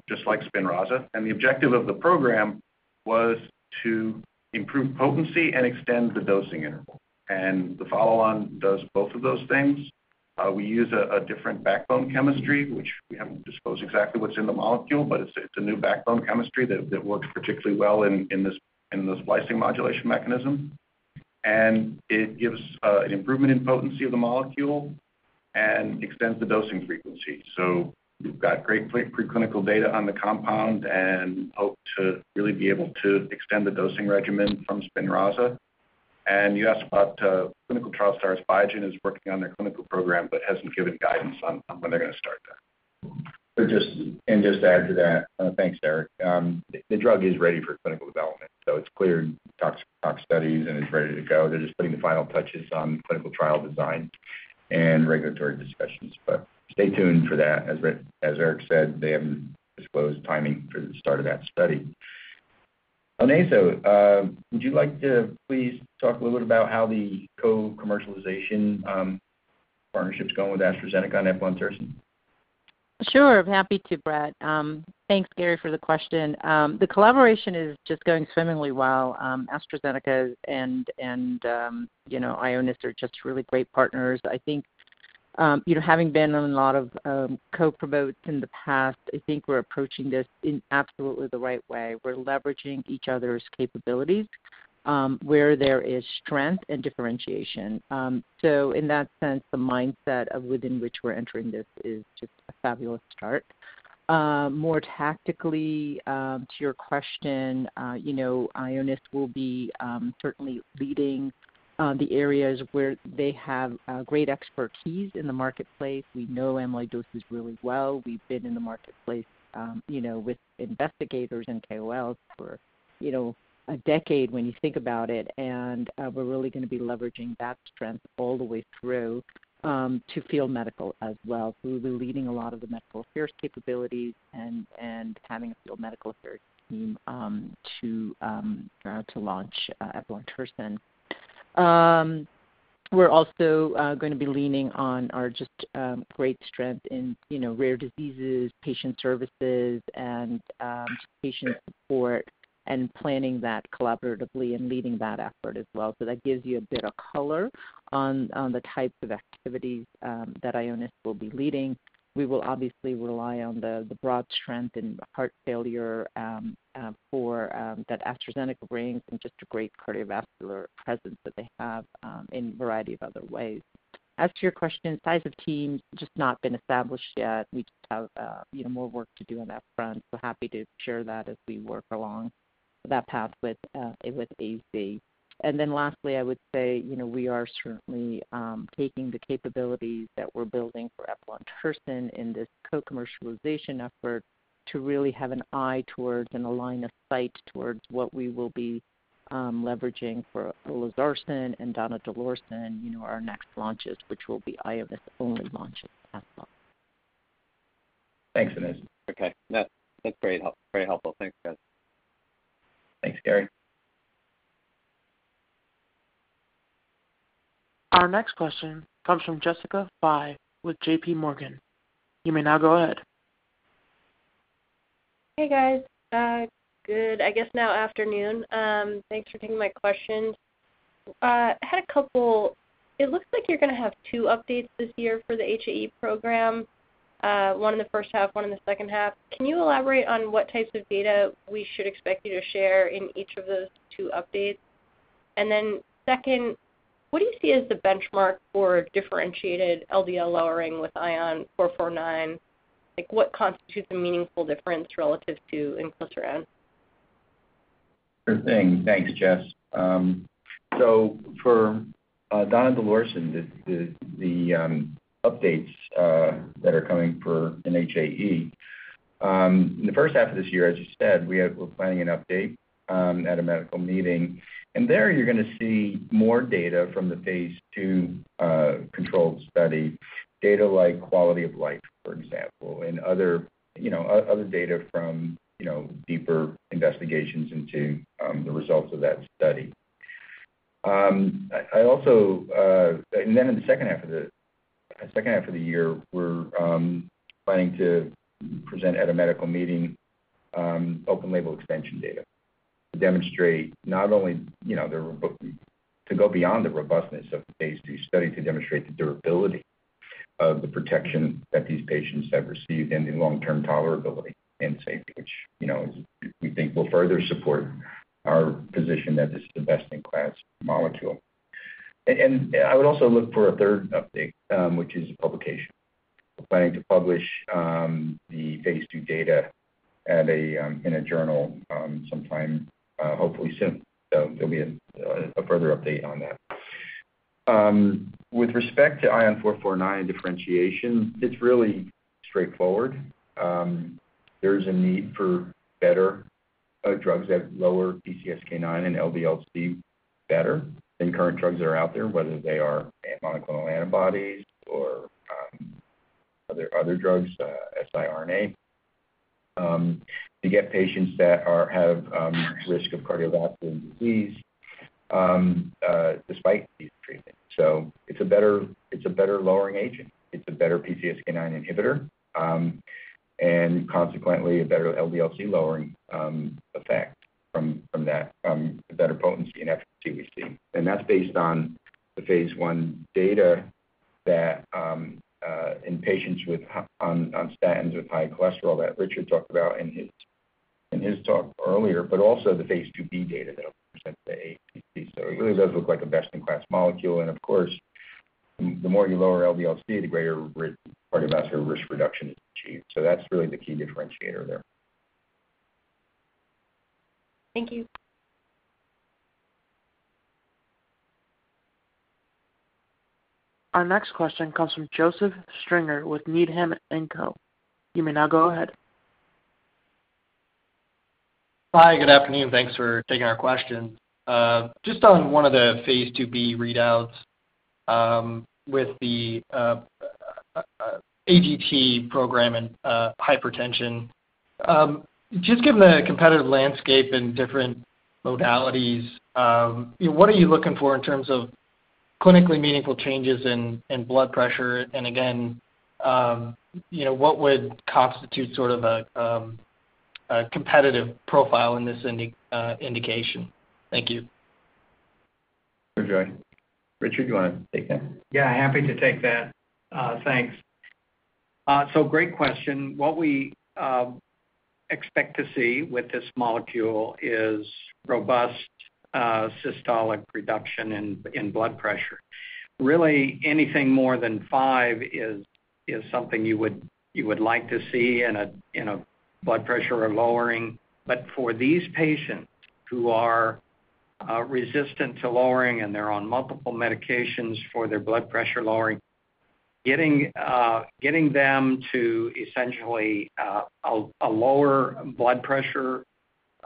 just like Spinraza. The objective of the program was to improve potency and extend the dosing interval. The follow-on does both of those things. We use a different backbone chemistry, which we haven't disclosed exactly what's in the molecule, but it's a new backbone chemistry that works particularly well in this splicing modulation mechanism. It gives an improvement in potency of the molecule and extends the dosing frequency. We've got great preclinical data on the compound and hope to really be able to extend the dosing regimen from Spinraza. You asked about clinical trial starts. Biogen is working on their clinical program but hasn't given guidance on when they're gonna start that. Just to add to that, thanks, Eric. The drug is ready for clinical development, so it's cleared tox studies, and it's ready to go. They're just putting the final touches on clinical trial design and regulatory discussions. Stay tuned for that. As Eric said, they haven't disclosed timing for the start of that study. Onaiza, would you like to please talk a little bit about how the co-commercialization partnership's going with AstraZeneca on Eplontersen? Sure. Happy to, Brett. Thanks, Gary, for the question. The collaboration is just going swimmingly well. AstraZeneca and you know, Ionis are just really great partners. I think you know, having been on a lot of co-promotes in the past, I think we're approaching this in absolutely the right way. We're leveraging each other's capabilities where there is strength and differentiation. So in that sense, the mindset of within which we're entering this is just a fabulous start. More tactically to your question you know, Ionis will be certainly leading the areas where they have great expertise in the marketplace. We know amyloidosis really well. We've been in the marketplace you know, with investigators and KOLs for you know, a decade when you think about it. We're really gonna be leveraging that strength all the way through to field medical as well. We'll be leading a lot of the medical affairs capabilities and having a field medical affairs team to launch Eplontersen. We're also gonna be leaning on our just great strength in you know rare diseases, patient services and patient support and planning that collaboratively and leading that effort as well. That gives you a bit of color on the types of activities that Ionis will be leading. We will obviously rely on the broad strength in heart failure that AstraZeneca brings and just a great cardiovascular presence that they have in a variety of other ways. As to your question, size of team, just not been established yet. We just have, you know, more work to do on that front. Happy to share that as we work along that path with AZ. Lastly, I would say, you know, we are certainly taking the capabilities that we're building for Eplontersen in this co-commercialization effort to really have an eye towards and a line of sight towards what we will be leveraging for Olezarsen and Donidalorsen, you know, our next launches, which will be Ionis' only launches as well. Thanks, Onaiza. Okay. That, that's very helpful. Thanks, guys. Thanks, Gary. Our next question comes from Jessica Fye with JPMorgan. You may now go ahead. Hey, guys. Good afternoon. Thanks for taking my question. I had a couple. It looks like you're gonna have two updates this year for the HAE program, one in the first half, one in the second half. Can you elaborate on what types of data we should expect you to share in each of those two updates? Then, second, what do you see as the benchmark for differentiated LDL lowering with ION449? Like, what constitutes a meaningful difference relative to Inclisiran? Sure thing. Thanks, Jess. So for Donidalorsen, the updates that are coming for HAE in the first half of this year, as you said, we're planning an update at a medical meeting, and there you're gonna see more data from the phase II controlled study. Data like quality of life, for example, and other, you know, data from, you know, deeper investigations into the results of that study. I also in the second half of the year, we're planning to present at a medical meeting open-label extension data to demonstrate not only you know to go beyond the robustness of the phase II study to demonstrate the durability of the protection that these patients have received in the long-term tolerability and safety, which you know we think will further support our position that this is the best-in-class molecule. I would also look for a third update, which is a publication. We're planning to publish the phase II data in a journal sometime hopefully soon. There'll be a further update on that. With respect to ION449 differentiation, it's really straightforward. There's a need for better drugs that lower PCSK9 and LDL-C better than current drugs that are out there, whether they are monoclonal antibodies or other drugs, to get patients that have risk of cardiovascular disease despite these treatments. It's a better lowering agent. It's a better PCSK9 inhibitor, and consequently a better LDL-C lowering effect from that, better potency and efficacy we've seen. That's based on the phase I data in patients on statins with high cholesterol that Richard talked about in his talk earlier, but also the phase IIb data that'll be presented at the ACC. It really does look like a best in class molecule. Of course, the more you lower LDL-C, the greater cardiovascular risk reduction is achieved. That's really the key differentiator there. Thank you. Our next question comes from Joseph Stringer with Needham & Company. You may now go ahead. Hi. Good afternoon. Thanks for taking our question. Just on one of the phase IIb readouts, with the AGT program in hypertension. Just given the competitive landscape and different modalities, what are you looking for in terms of clinically meaningful changes in blood pressure? And again, you know, what would constitute sort of a competitive profile in this indication? Thank you. Sure, Joe. Richard, you wanna take that? Yeah, happy to take that. Thanks. Great question. What we expect to see with this molecule is robust systolic reduction in blood pressure. Really anything more than five is you know something you would like to see in a blood pressure lowering. But for these patients who are resistant to lowering and they're on multiple medications for their blood pressure lowering, getting them to essentially a lower blood pressure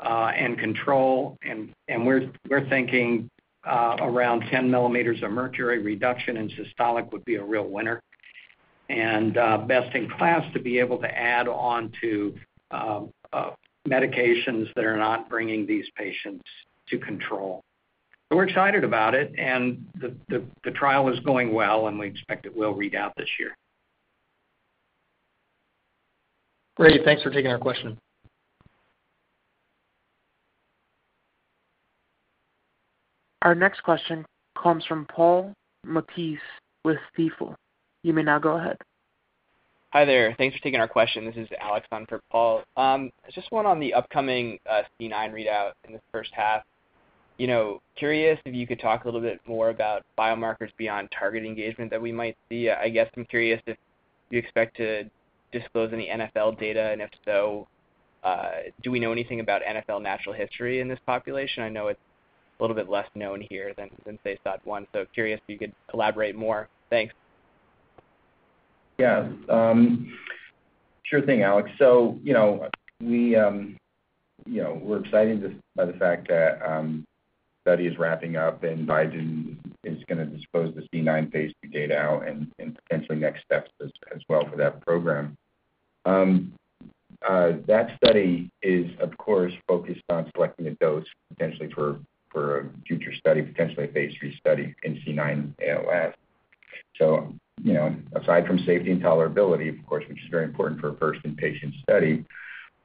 and control, and we're thinking around 10 millimeters of mercury reduction in systolic would be a real winner. Best in class to be able to add on to medications that are not bringing these patients to control. We're excited about it and the trial is going well, and we expect it will read out this year. Great. Thanks for taking our question. Our next question comes from Paul Matteis with Stifel. You may now go ahead. Hi there. Thanks for taking our question. This is Alex on for Paul. Just one on the upcoming C9 readout in the first half. You know, curious if you could talk a little bit more about biomarkers beyond target engagement that we might see. I guess I'm curious if you expect to disclose any NFL data, and if so, do we know anything about NFL natural history in this population? I know it's a little bit less known here than say SOD1. Curious if you could elaborate more. Thanks. Yeah. Sure thing, Alex. You know, we're excited just by the fact that study is wrapping up and Biogen is gonna disclose the C9 phase II data out and potentially next steps as well for that program. That study is of course focused on selecting a dose potentially for a future study, potentially a phase III study in C9 ALS. You know, aside from safety and tolerability, of course, which is very important for a first in-patient study,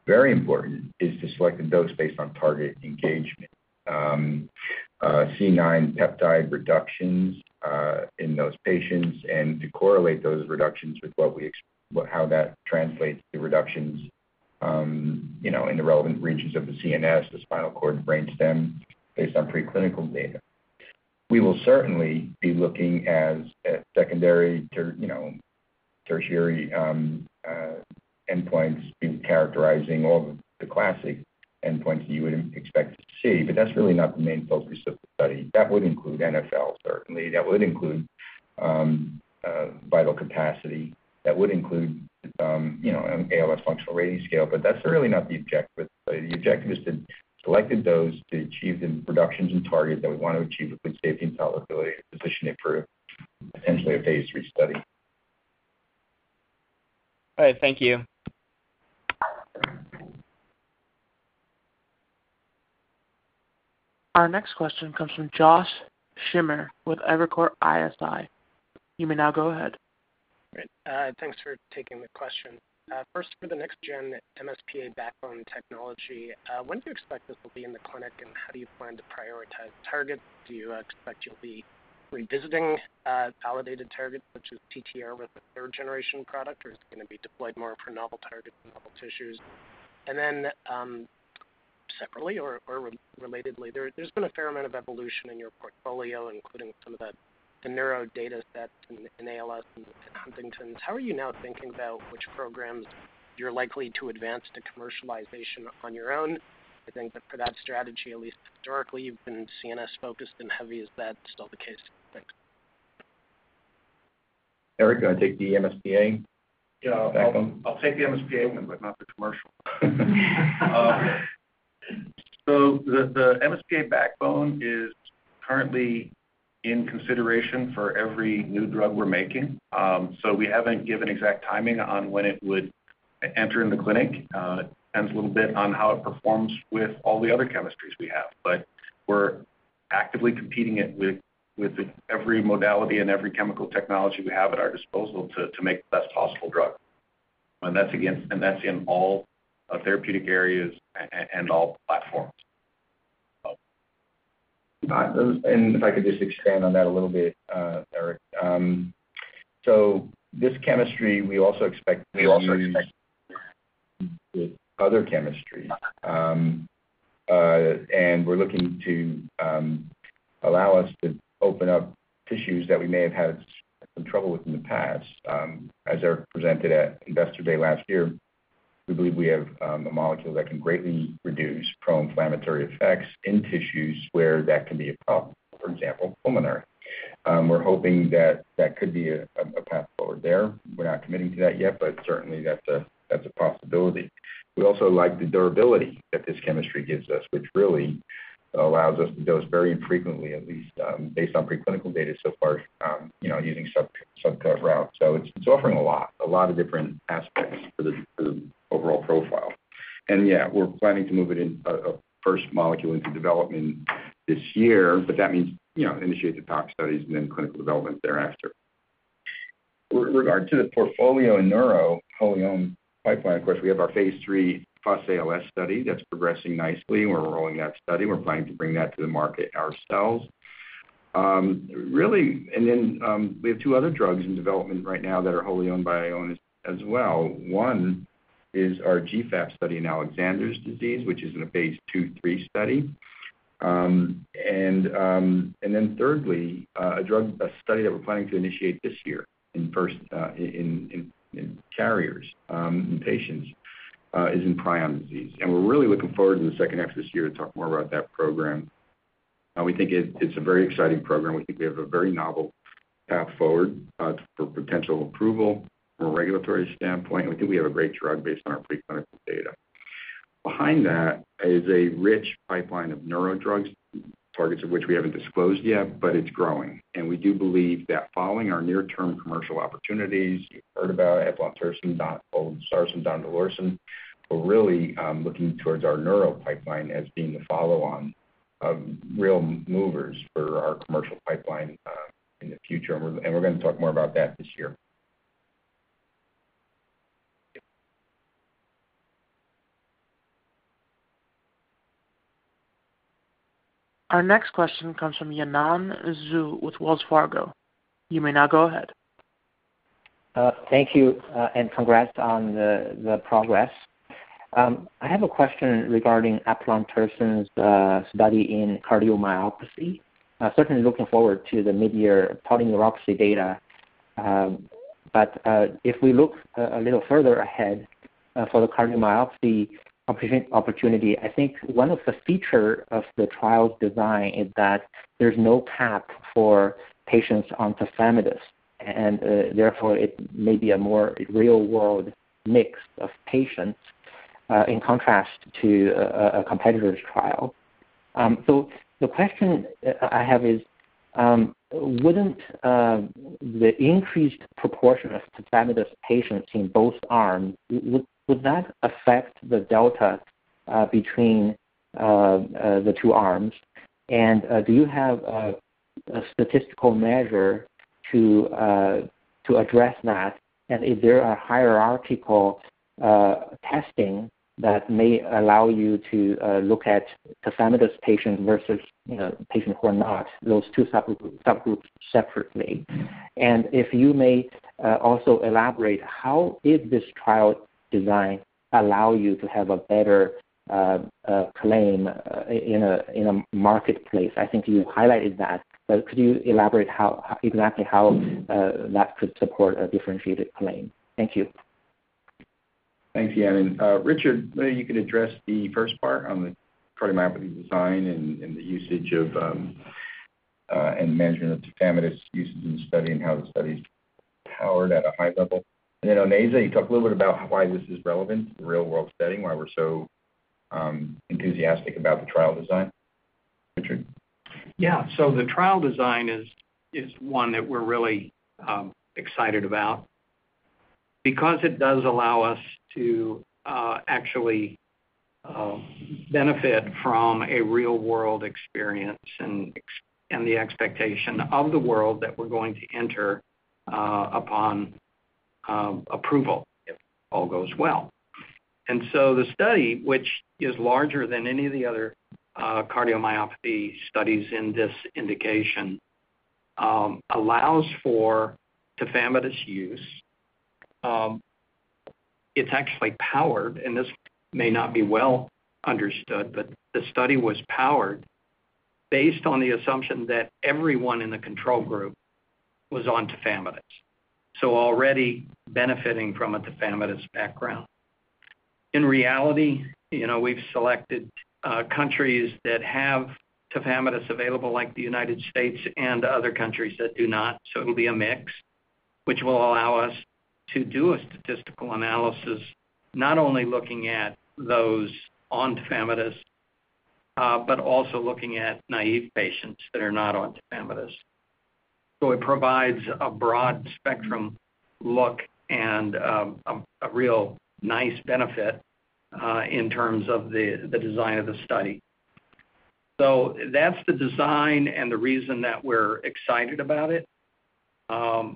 very important is to select a dose based on target engagement. C9 peptide reductions in those patients and to correlate those reductions with how that translates to reductions, you know, in the relevant regions of the CNS, the spinal cord and brainstem based on preclinical data. We will certainly be looking at secondary, tertiary endpoints in characterizing all of the classic endpoints you would expect to see. That's really not the main focus of the study. That would include NfL, certainly. That would include vital capacity, that would include ALS Functional Rating Scale. That's really not the objective. The objective is to select doses to achieve the efficacy and targets that we wanna achieve a good safety and tolerability positioning for essentially a phase III study. All right. Thank you. Our next question comes from Josh Schimmer with Evercore ISI. You may now go ahead. Great. Thanks for taking the question. First for the next-gen MsPA backbone technology, when do you expect this will be in the clinic, and how do you plan to prioritize targets? Do you expect you'll be revisiting validated targets, such as TTR with a third-generation product, or is it gonna be deployed more for novel targets and novel tissues? Then, separately or relatedly, there's been a fair amount of evolution in your portfolio, including some of the neuro data set in ALS and Huntington's. How are you now thinking about which programs you're likely to advance to commercialization on your own? I think that for that strategy, at least historically, you've been CNS focused and heavy. Is that still the case? Thanks. Eric, do you wanna take the MsPA backbone? Yeah. I'll take the MsPA one, but not the commercial. The MsPA backbone is currently in consideration for every new drug we're making. We haven't given exact timing on when it would enter in the clinic. It depends a little bit on how it performs with all the other chemistries we have. We're actively competing it with every modality and every chemical technology we have at our disposal to make the best possible drug. That's in all therapeutic areas and all platforms. If I could just expand on that a little bit, Eric. This chemistry, we also expect to use with other chemistry. We're looking to allow us to open up tissues that we may have had some trouble with in the past. As Eric presented at Investor Day last year, we believe we have a molecule that can greatly reduce pro-inflammatory effects in tissues where that can be a problem. For example, pulmonary. We're hoping that could be a path forward there. We're not committing to that yet, but certainly that's a possibility. We also like the durability that this chemistry gives us, which really allows us to dose very infrequently, at least, based on preclinical data so far, you know, using subcut route. It's offering a lot of different aspects for the overall profile. Yeah, we're planning to move it in a first molecule into development this year, but that means, you know, initiate the tox studies and then clinical development thereafter. With regard to the portfolio in neuro, wholly owned pipeline, of course, we have our phase III FUS-ALS study that's progressing nicely, and we're enrolling that study. We're planning to bring that to the market ourselves. We have two other drugs in development right now that are wholly owned by Ionis as well. One is our GFAP study in Alexander disease, which is in a phase II/III study. Thirdly, a study that we're planning to initiate this year in carriers in patients is in prion disease. We're really looking forward to the second half of this year to talk more about that program. We think it's a very exciting program. We think we have a very novel path forward for potential approval from a regulatory standpoint. We think we have a great drug based on our preclinical data. Behind that is a rich pipeline of neuro drugs, targets of which we haven't disclosed yet, but it's growing. We do believe that following our near-term commercial opportunities, you've heard about Eplontersen, Olezarsen, Donidalorsen, we're really looking towards our neuro pipeline as being the follow-on of real movers for our commercial pipeline in the future. We're gonna talk more about that this year. Our next question comes from Yanan Zhu with Wells Fargo. You may now go ahead. Thank you and congrats on the progress. I have a question regarding Eplontersen's study in cardiomyopathy. Certainly looking forward to the mid-year polyneuropathy data. But if we look little further ahead for the cardiomyopathy opportunity, I think one of the feature of the trial's design is that there's no cap for patients on Tafamidis, and therefore, it may be a more real-world mix of patients in contrast to a competitor's trial. So the question I have is, wouldn't the increased proportion of Tafamidis patients in both arms would that affect the delta between the two arms? And do you have a statistical measure to address that? Is there a hierarchical testing that may allow you to look at Tafamidis patients versus, you know, patients who are not, those two subgroups separately? If I may, also elaborate how did this trial design allow you to have a better claim in a marketplace? I think you highlighted that, but could you elaborate how exactly that could support a differentiated claim? Thank you. Thanks, Yan. Richard, maybe you could address the first part on the cardiomyopathy design and the usage of and management of Tafamidis usage in the study and how the study's powered at a high level. Then, Onaiza, you talk a little bit about why this is relevant to the real-world setting, why we're so enthusiastic about the trial design. Richard? Yeah. The trial design is one that we're really excited about because it does allow us to actually benefit from a real-world experience and the expectation of the world that we're going to enter upon approval if all goes well. The study, which is larger than any of the other cardiomyopathy studies in this indication, allows for Tafamidis use. It's actually powered, and this may not be well understood, but the study was powered based on the assumption that everyone in the control group was on Tafamidis, so already benefiting from a Tafamidis background. In reality, you know, we've selected countries that have Tafamidis available, like the United States, and other countries that do not, so it'll be a mix, which will allow us to do a statistical analysis, not only looking at those on Tafamidis, but also looking at naive patients that are not on Tafamidis. It provides a broad spectrum look and a real nice benefit in terms of the design of the study. That's the design and the reason that we're excited about it. I'll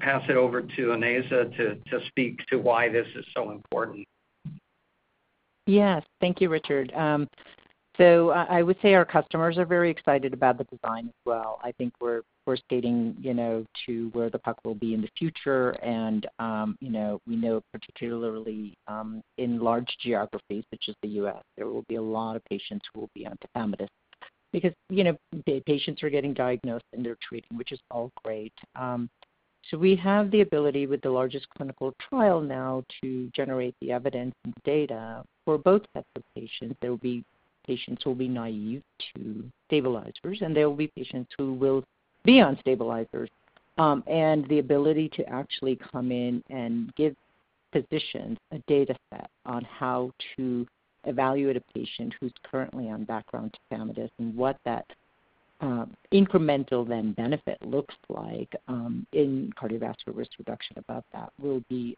pass it over to Onaiza to speak to why this is so important. Yes. Thank you, Richard. I would say our customers are very excited about the design as well. I think we're skating, you know, to where the puck will be in the future. You know, we know particularly in large geographies such as the U.S., there will be a lot of patients who will be on Tafamidis because, you know, the patients are getting diagnosed, and they're treating, which is all great. We have the ability with the largest clinical trial now to generate the evidence and data for both sets of patients. There will be patients who will be naive to stabilizers, and there will be patients who will be on stabilizers. The ability to actually come in and give physicians a data set on how to evaluate a patient who's currently on background Tafamidis and what that incremental benefit looks like in cardiovascular risk reduction above that will be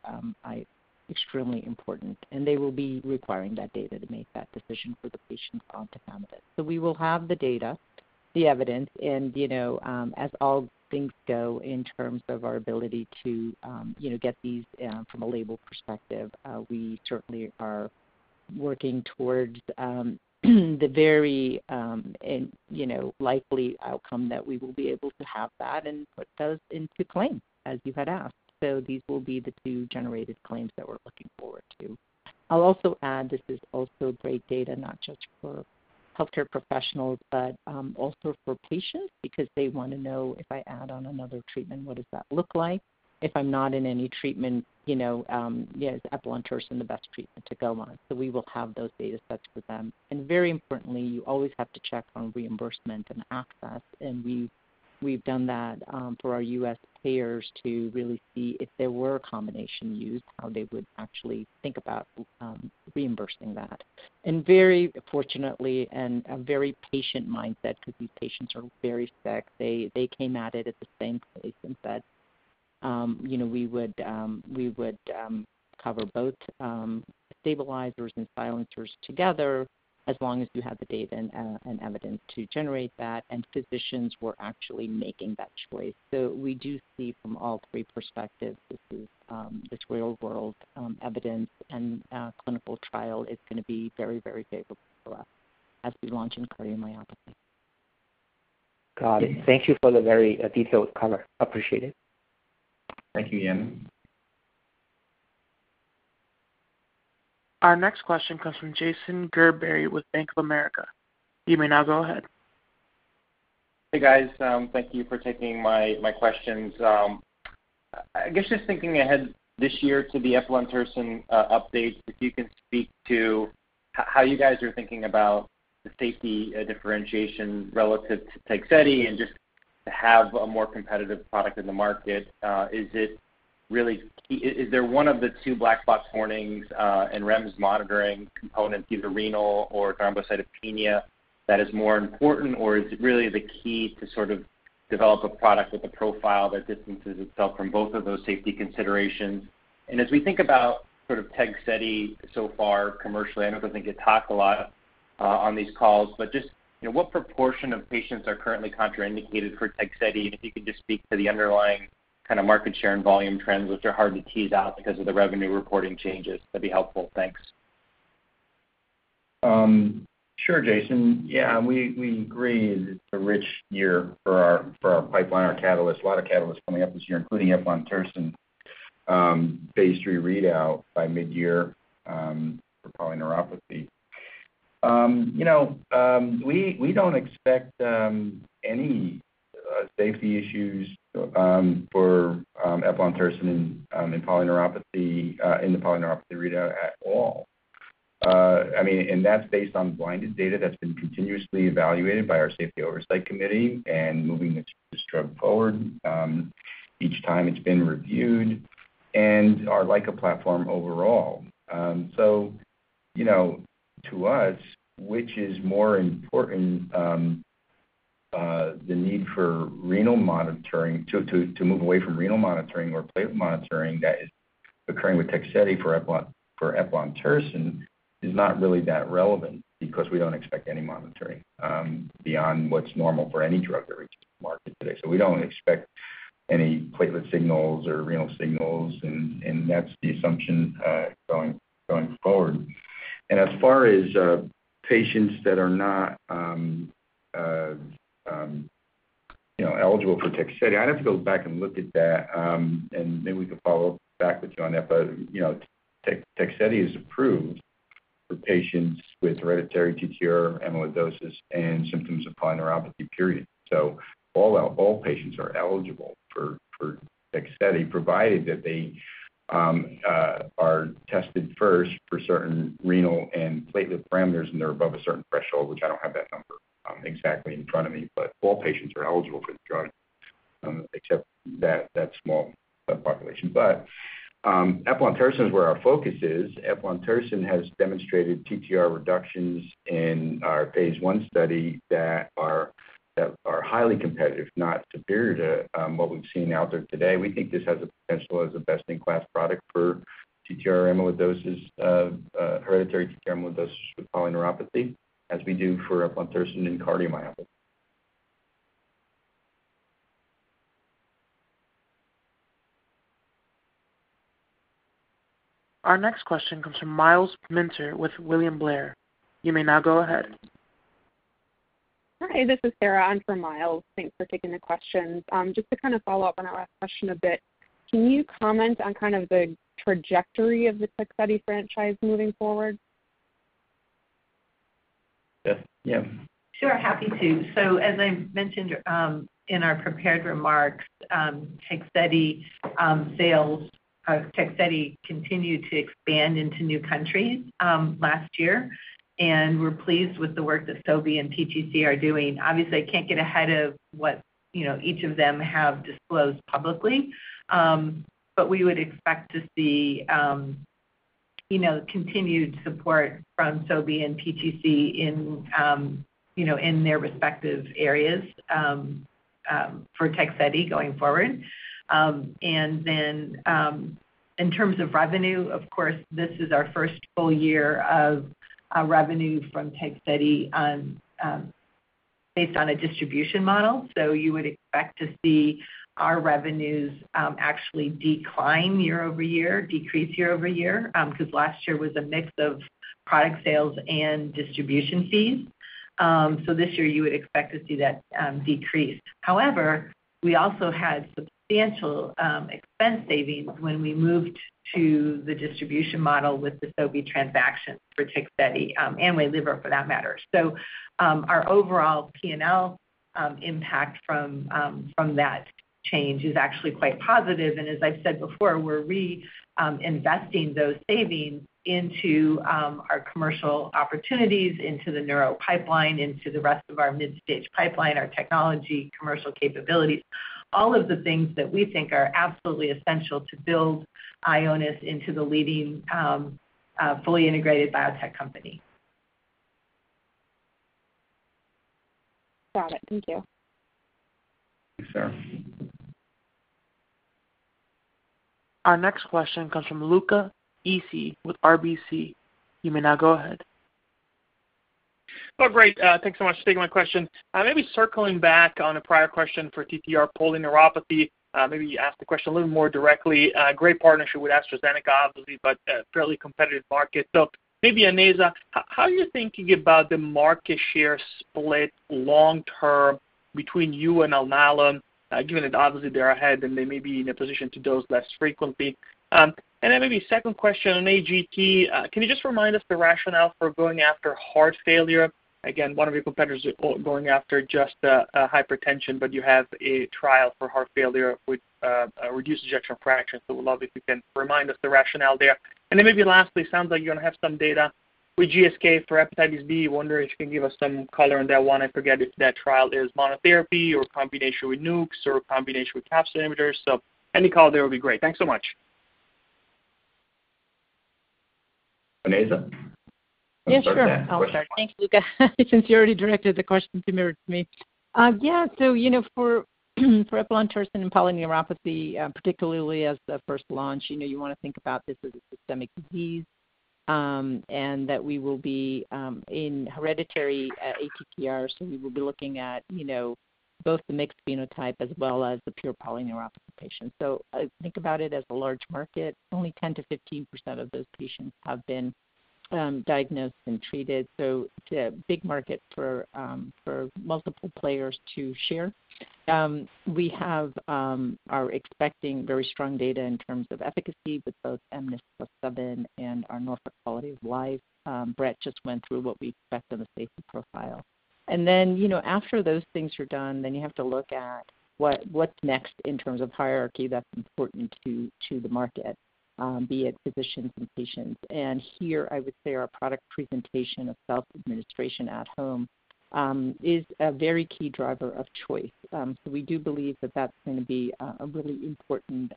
extremely important. They will be requiring that data to make that decision for the patients on Tafamidis. We will have the data, the evidence, and you know, as all things go in terms of our ability to you know get these from a label perspective, we certainly are working towards the very and you know likely outcome that we will be able to have that and put those into claim, as you had asked. These will be the two generated claims that we're looking forward to. I'll also add this is also great data, not just for healthcare professionals, but also for patients because they wanna know, if I add on another treatment, what does that look like? If I'm not in any treatment, you know, yeah, is Eplontersen the best treatment to go on? We will have those data sets for them. Very importantly, you always have to check on reimbursement and access. We've done that for our U.S. payers to really see if there were a combination used, how they would actually think about reimbursing that. Very fortunately and a very patient mindset because these patients are very sick. They came at it at the same place, and said, you know, we would cover both stabilizers and silencers together as long as you have the data and evidence to generate that, and physicians were actually making that choice. We do see from all three perspectives, this real-world evidence and clinical trial is gonna be very favorable for us as we launch in cardiomyopathy. Got it. Thank you for the very, detailed cover. Appreciate it. Thank you, Yan. Our next question comes from Jason Gerberry with Bank of America. You may now go ahead. Hey, guys. Thank you for taking my questions. I guess just thinking ahead this year to the Eplontersen update, if you can speak to how you guys are thinking about the safety differentiation relative to Tegsedi and just to have a more competitive product in the market. Is it really key? Is there one of the two black box warnings and REMS monitoring components, either renal or thrombocytopenia, that is more important? Or is it really the key to sort of develop a product with a profile that distances itself from both of those safety considerations? As we think about sort of Tegsedi so far commercially, I know it doesn't get talked a lot on these calls, but just, you know, what proportion of patients are currently contraindicated for Tegsedi? If you could just speak to the underlying kind of market share and volume trends, which are hard to tease out because of the revenue reporting changes, that'd be helpful. Thanks. Sure, Jason. Yeah. We agree that it's a rich year for our pipeline, our catalyst. A lot of catalysts coming up this year, including Eplontersen, phase III readout by midyear, for polyneuropathy. You know, we don't expect any safety issues for Eplontersen in polyneuropathy, in the polyneuropathy readout at all. I mean, that's based on blinded data that's been continuously evaluated by our safety oversight committee and moving this drug forward each time it's been reviewed and our LICA platform overall. You know, to us, which is more important, the need for renal monitoring to move away from renal monitoring or platelet monitoring that is occurring with Tegsedi for Eplontersen is not really that relevant because we don't expect any monitoring beyond what's normal for any drug that reaches the market today. We don't expect any platelet signals or renal signals and that's the assumption going forward. As far as patients that are not you know eligible for Tegsedi, I'd have to go back and look at that and maybe we could follow up with you on that. You know, Tegsedi is approved for patients with hereditary ATTR amyloidosis and symptoms of polyneuropathy, period. All patients are eligible for Tegsedi, provided that they are tested first for certain renal and platelet parameters, and they're above a certain threshold, which I don't have that number exactly in front of me. All patients are eligible for the drug except that small subpopulation. Eplontersen is where our focus is. Eplontersen has demonstrated TTR reductions in our phase I study that are highly competitive, if not superior to what we've seen out there today. We think this has a potential as a best-in-class product for ATTR amyloidosis, hereditary ATTR amyloidosis with polyneuropathy, as we do for Eplontersen and cardiomyopathy. Our next question comes from Myles Minter with William Blair. You may now go ahead. Hi, this is Sarah on for Myles. Thanks for taking the questions. Just to kind of follow up on our last question a bit, can you comment on kind of the trajectory of the Tegsedi franchise moving forward? Beth? Yeah. Sure. Happy to. As I mentioned in our prepared remarks, Tegsedi sales of Tegsedi continued to expand into new countries last year. We're pleased with the work that Sobi and PTC are doing. Obviously, I can't get ahead of what, you know, each of them have disclosed publicly. We would expect to see, you know, continued support from Sobi and PTC in, you know, in their respective areas for Tegsedi going forward. Then, in terms of revenue, of course, this is our first full year of revenue from Tegsedi based on a distribution model. You would expect to see our revenues actually decline year-over-year, decrease year-over-year because last year was a mix of product sales and distribution fees. This year you would expect to see that decrease. However, we also had substantial expense savings when we moved to the distribution model with the Sobi transaction for Tegsedi, and Waylivra for that matter. Our overall P&L impact from that change is actually quite positive. As I said before, we're investing those savings into our commercial opportunities, into the neuro pipeline, into the rest of our mid-stage pipeline, our technology, commercial capabilities, all of the things that we think are absolutely essential to build Ionis into the leading fully integrated biotech company. Got it. Thank you. Thanks, Sarah. Our next question comes from Luca Issi with RBC. You may now go ahead. Oh, great. Thanks so much for taking my question. Maybe circling back on a prior question for ATTR polyneuropathy, maybe ask the question a little more directly. Great partnership with AstraZeneca, obviously, but a fairly competitive market. Maybe Onaiza, how are you thinking about the market share split long term between you and Alnylam, given that obviously they are ahead and they may be in a position to dose less frequently? And then maybe second question on AGT. Can you just remind us the rationale for going after heart failure? Again, one of your competitors are all going after just hypertension, but you have a trial for heart failure with reduced ejection fraction. Would love if you can remind us the rationale there. Maybe lastly, sounds like you're gonna have some data with GSK for hepatitis B. Wondering if you can give us some color on that one. I forget if that trial is monotherapy or combination with nucs or combination with capsid inhibitors. Any color there would be great. Thanks so much. Onaiza. Yeah, sure. You can start that question. I'll start. Thank you, Luca. Since you already directed the question to me. Yeah, you know, for Eplontersen and polyneuropathy, particularly as the first launch, you know, you wanna think about this as a systemic disease, and that we will be in hereditary ATTR. We will be looking at, you know, both the mixed phenotype as well as the pure polyneuropathy patient. I think about it as a large market. Only 10% to 15% of those patients have been diagnosed and treated, so it's a big market for multiple players to share. We are expecting very strong data in terms of efficacy with both mNIS+7 and our Norfolk Quality of Life. Brett just went through what we expect on the safety profile. Then, you know, after those things are done, then you have to look at what's next in terms of hierarchy that's important to the market, be it physicians and patients. Here, I would say our product presentation of self-administration at home is a very key driver of choice. We do believe that that's gonna be a really important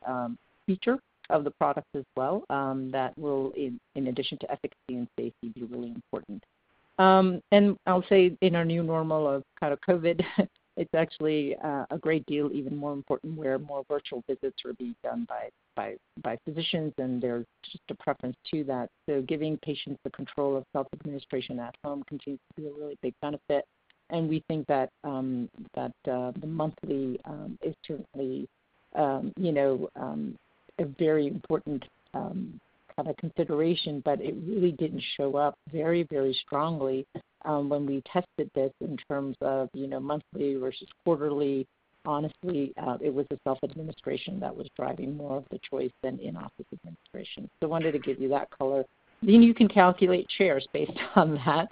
feature of the product as well, that will, in addition to efficacy and safety, be really important. I'll say in our new normal of kind of COVID, it's actually a great deal even more important where more virtual visits are being done by physicians, and there's just a preference to that. Giving patients the control of self-administration at home continues to be a really big benefit. We think that the monthly is certainly you know a very important kind of consideration. But it really didn't show up very, very strongly when we tested this in terms of you know monthly versus quarterly. Honestly, it was the self-administration that was driving more of the choice than in-office administration. I wanted to give you that color. You can calculate shares based on that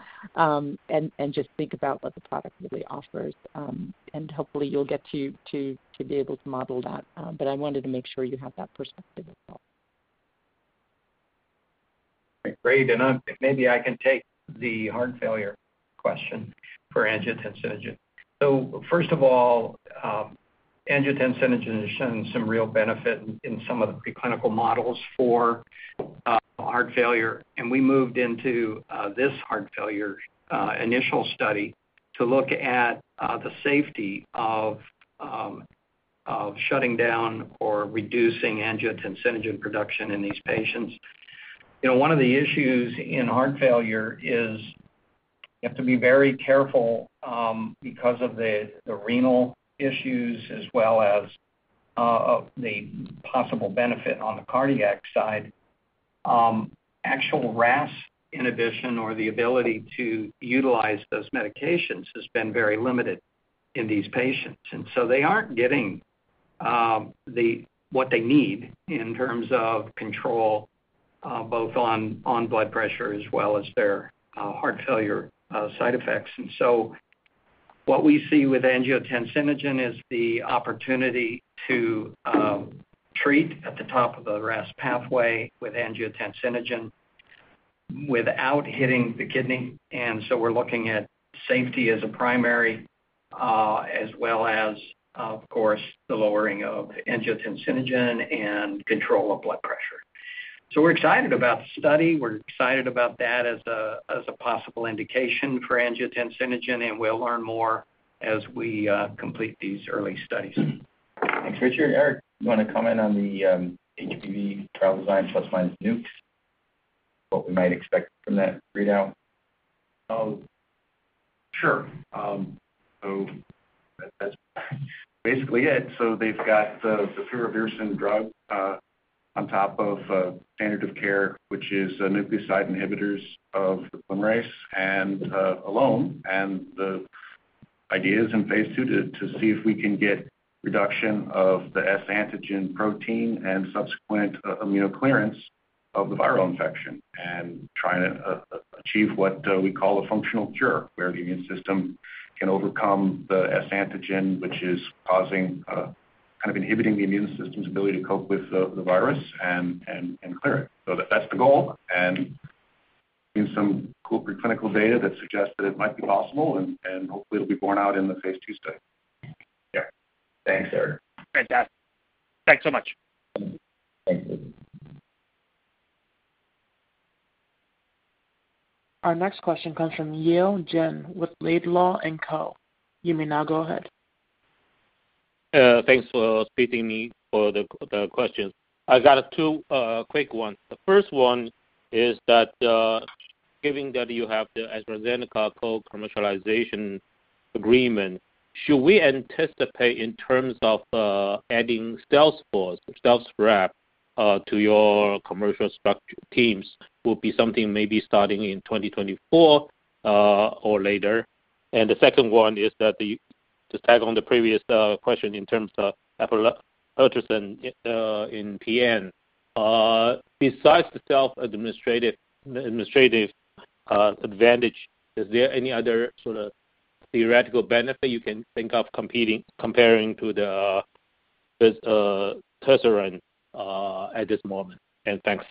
and just think about what the product really offers. Hopefully you'll get to be able to model that, but I wanted to make sure you have that perspective as well. Great. Maybe I can take the heart failure question for angiotensinogen. First of all, angiotensinogen has shown some real benefit in some of the preclinical models for heart failure, and we moved into this heart failure initial study to look at the safety of shutting down or reducing angiotensinogen production in these patients. You know, one of the issues in heart failure is you have to be very careful because of the renal issues as well as the possible benefit on the cardiac side. Actual RAS inhibition or the ability to utilize those medications has been very limited in these patients. They aren't getting what they need in terms of control both on blood pressure as well as their heart failure side effects. What we see with angiotensinogen is the opportunity to treat at the top of the RAS pathway with angiotensinogen without hitting the kidney. We're looking at safety as a primary, as well as, of course, the lowering of angiotensinogen and control of blood pressure. We're excited about the study. We're excited about that as a possible indication for angiotensinogen, and we'll learn more as we complete these early studies. Thanks, Richard. Eric, you wanna comment on the HBV trial design plus minus nucs, what we might expect from that readout? Sure. That's basically it. They've got the Firavirsan drug on top of standard of care, which is a nucleoside inhibitors of the polymerase and alone. The idea is in phase II to see if we can get reduction of the S antigen protein and subsequent immunoclearance of the viral infection and trying to achieve what we call a functional cure, where the immune system can overcome the S antigen, which is causing kind of inhibiting the immune system's ability to cope with the virus and clear it. That's the goal, and we've seen some cool preclinical data that suggests that it might be possible and hopefully it'll be borne out in the phase II study. Yeah. Thanks, Eric. Fantastic. Thanks so much. Thank you. Our next question comes from Yale Jen with Laidlaw & Company. You may now go ahead. Yeah. Thanks for picking me for the question. I have two quick ones. The first one is that given that you have the AstraZeneca co-commercialization agreement, should we anticipate in terms of adding sales force, sales rep to your commercial structure teams will be something maybe starting in 2024 or later? And the second one is that the, just add on the previous question in terms of Eplontersen in PN, besides the self-administrative advantage, is there any other sort of theoretical benefit you can think of comparing to the Firavirsan at this moment. Thanks.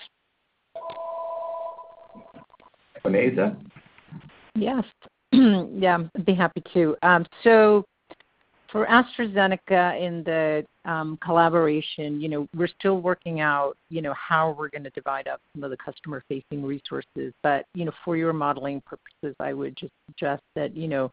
Onaiza? Yeah. I'd be happy to. For AstraZeneca in the collaboration, you know, we're still working out, you know, how we're gonna divide up some of the customer-facing resources. For your modeling purposes, I would just suggest that, you know,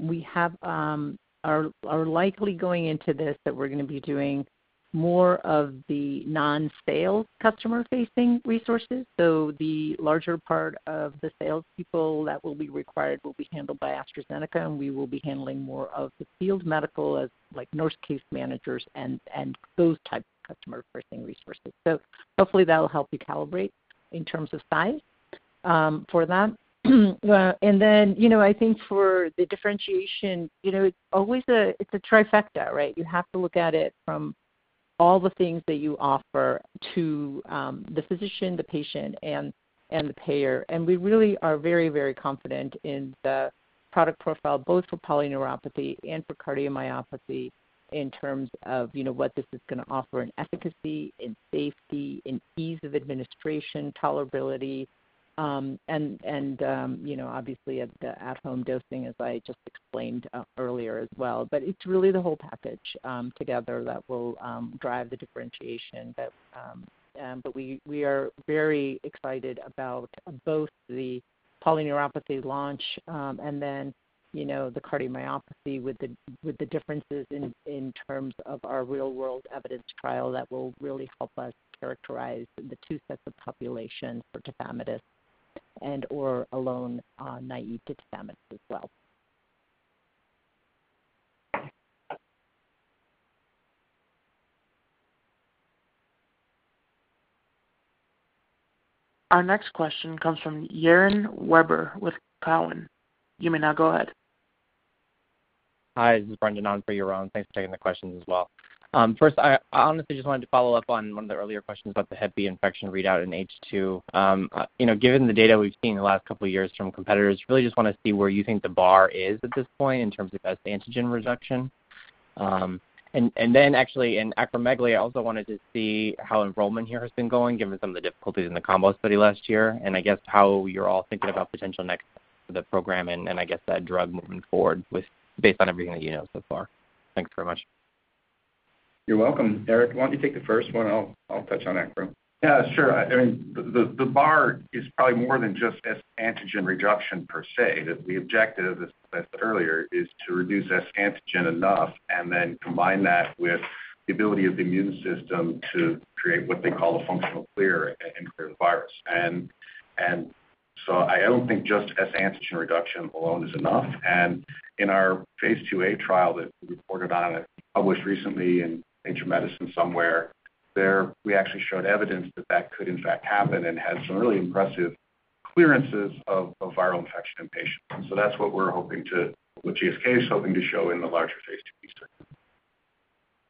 we are likely going into this, that we're gonna be doing more of the non-sales customer-facing resources. The larger part of the sales people that will be required will be handled by AstraZeneca, and we will be handling more of the field medical as, like, nurse case managers and those type of customer-facing resources. Hopefully that'll help you calibrate in terms of size, for that. Then, you know, I think for the differentiation, you know, it's always a trifecta, right? You have to look at it from all the things that you offer to the physician, the patient, and the payer. We really are very, very confident in the product profile, both for polyneuropathy and for cardiomyopathy, in terms of, you know, what this is gonna offer in efficacy, in safety, in ease of administration, tolerability, and, you know, obviously at the at-home dosing, as I just explained, earlier as well. It's really the whole package together that will drive the differentiation. We are very excited about both the polyneuropathy launch, and then, you know, the cardiomyopathy with the differences in terms of our real-world evidence trial that will really help us characterize the two sets of populations for Tafamidis and/or alone, naive to Tafamidis as well. Our next question comes from Yaron Werber with Cowen. You may now go ahead. Hi, this is Brendan on for Yaron. Thanks for taking the questions as well. First, I honestly just wanted to follow up on one of the earlier questions about the hep B infection readout in H2. You know, given the data we've seen in the last couple of years from competitors, really just wanna see where you think the bar is at this point in terms of S antigen reduction. And then actually in acromegaly, I also wanted to see how enrollment here has been going, given some of the difficulties in the combo study last year. I guess how you're all thinking about potential next for the program and I guess that drug moving forward with based on everything that you know so far. Thank you very much. You're welcome. Eric, why don't you take the first one? I'll touch on acro. Yeah, sure. I mean, the bar is probably more than just S antigen reduction per se. The objective, as said earlier, is to reduce S antigen enough and then combine that with the ability of the immune system to create what they call a functional cure and clear the virus. I don't think just S antigen reduction alone is enough. In our phase IIa trial that we reported on, published recently in Nature Medicine somewhere, there we actually showed evidence that that could in fact happen and had some really impressive clearances of viral infection in patients. That's what we're hoping to, what GSK is hoping to show in the larger phase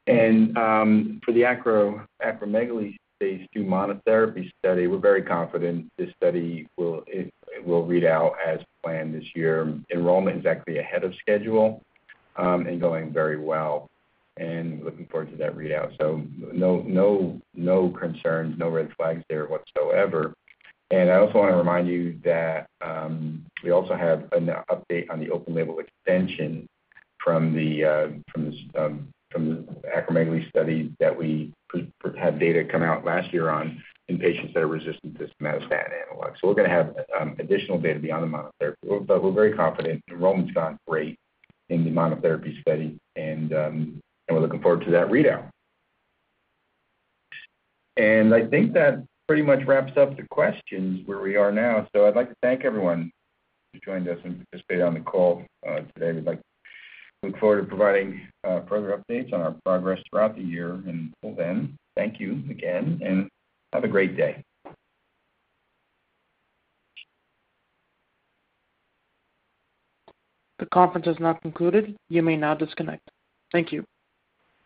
IIb study. For the acromegaly phase II monotherapy study, we're very confident this study will, it will read out as planned this year. Enrollment is actually ahead of schedule, and going very well and looking forward to that readout. No concerns, no red flags there whatsoever. I also want to remind you that, we also have an update on the open label extension from this, from the acromegaly study that we had data come out last year on in patients that are resistant to somatostatin analogs. We're going to have, additional data beyond the monotherapy. But we're very confident. Enrollment's gone great in the monotherapy study, and we're looking forward to that readout. I think that pretty much wraps up the questions where we are now. I'd like to thank everyone who joined us and participated on the call, today. We'd like to look forward to providing further updates on our progress throughout the year. Until then, thank you again and have a great day. The conference has now concluded. You may now disconnect. Thank you.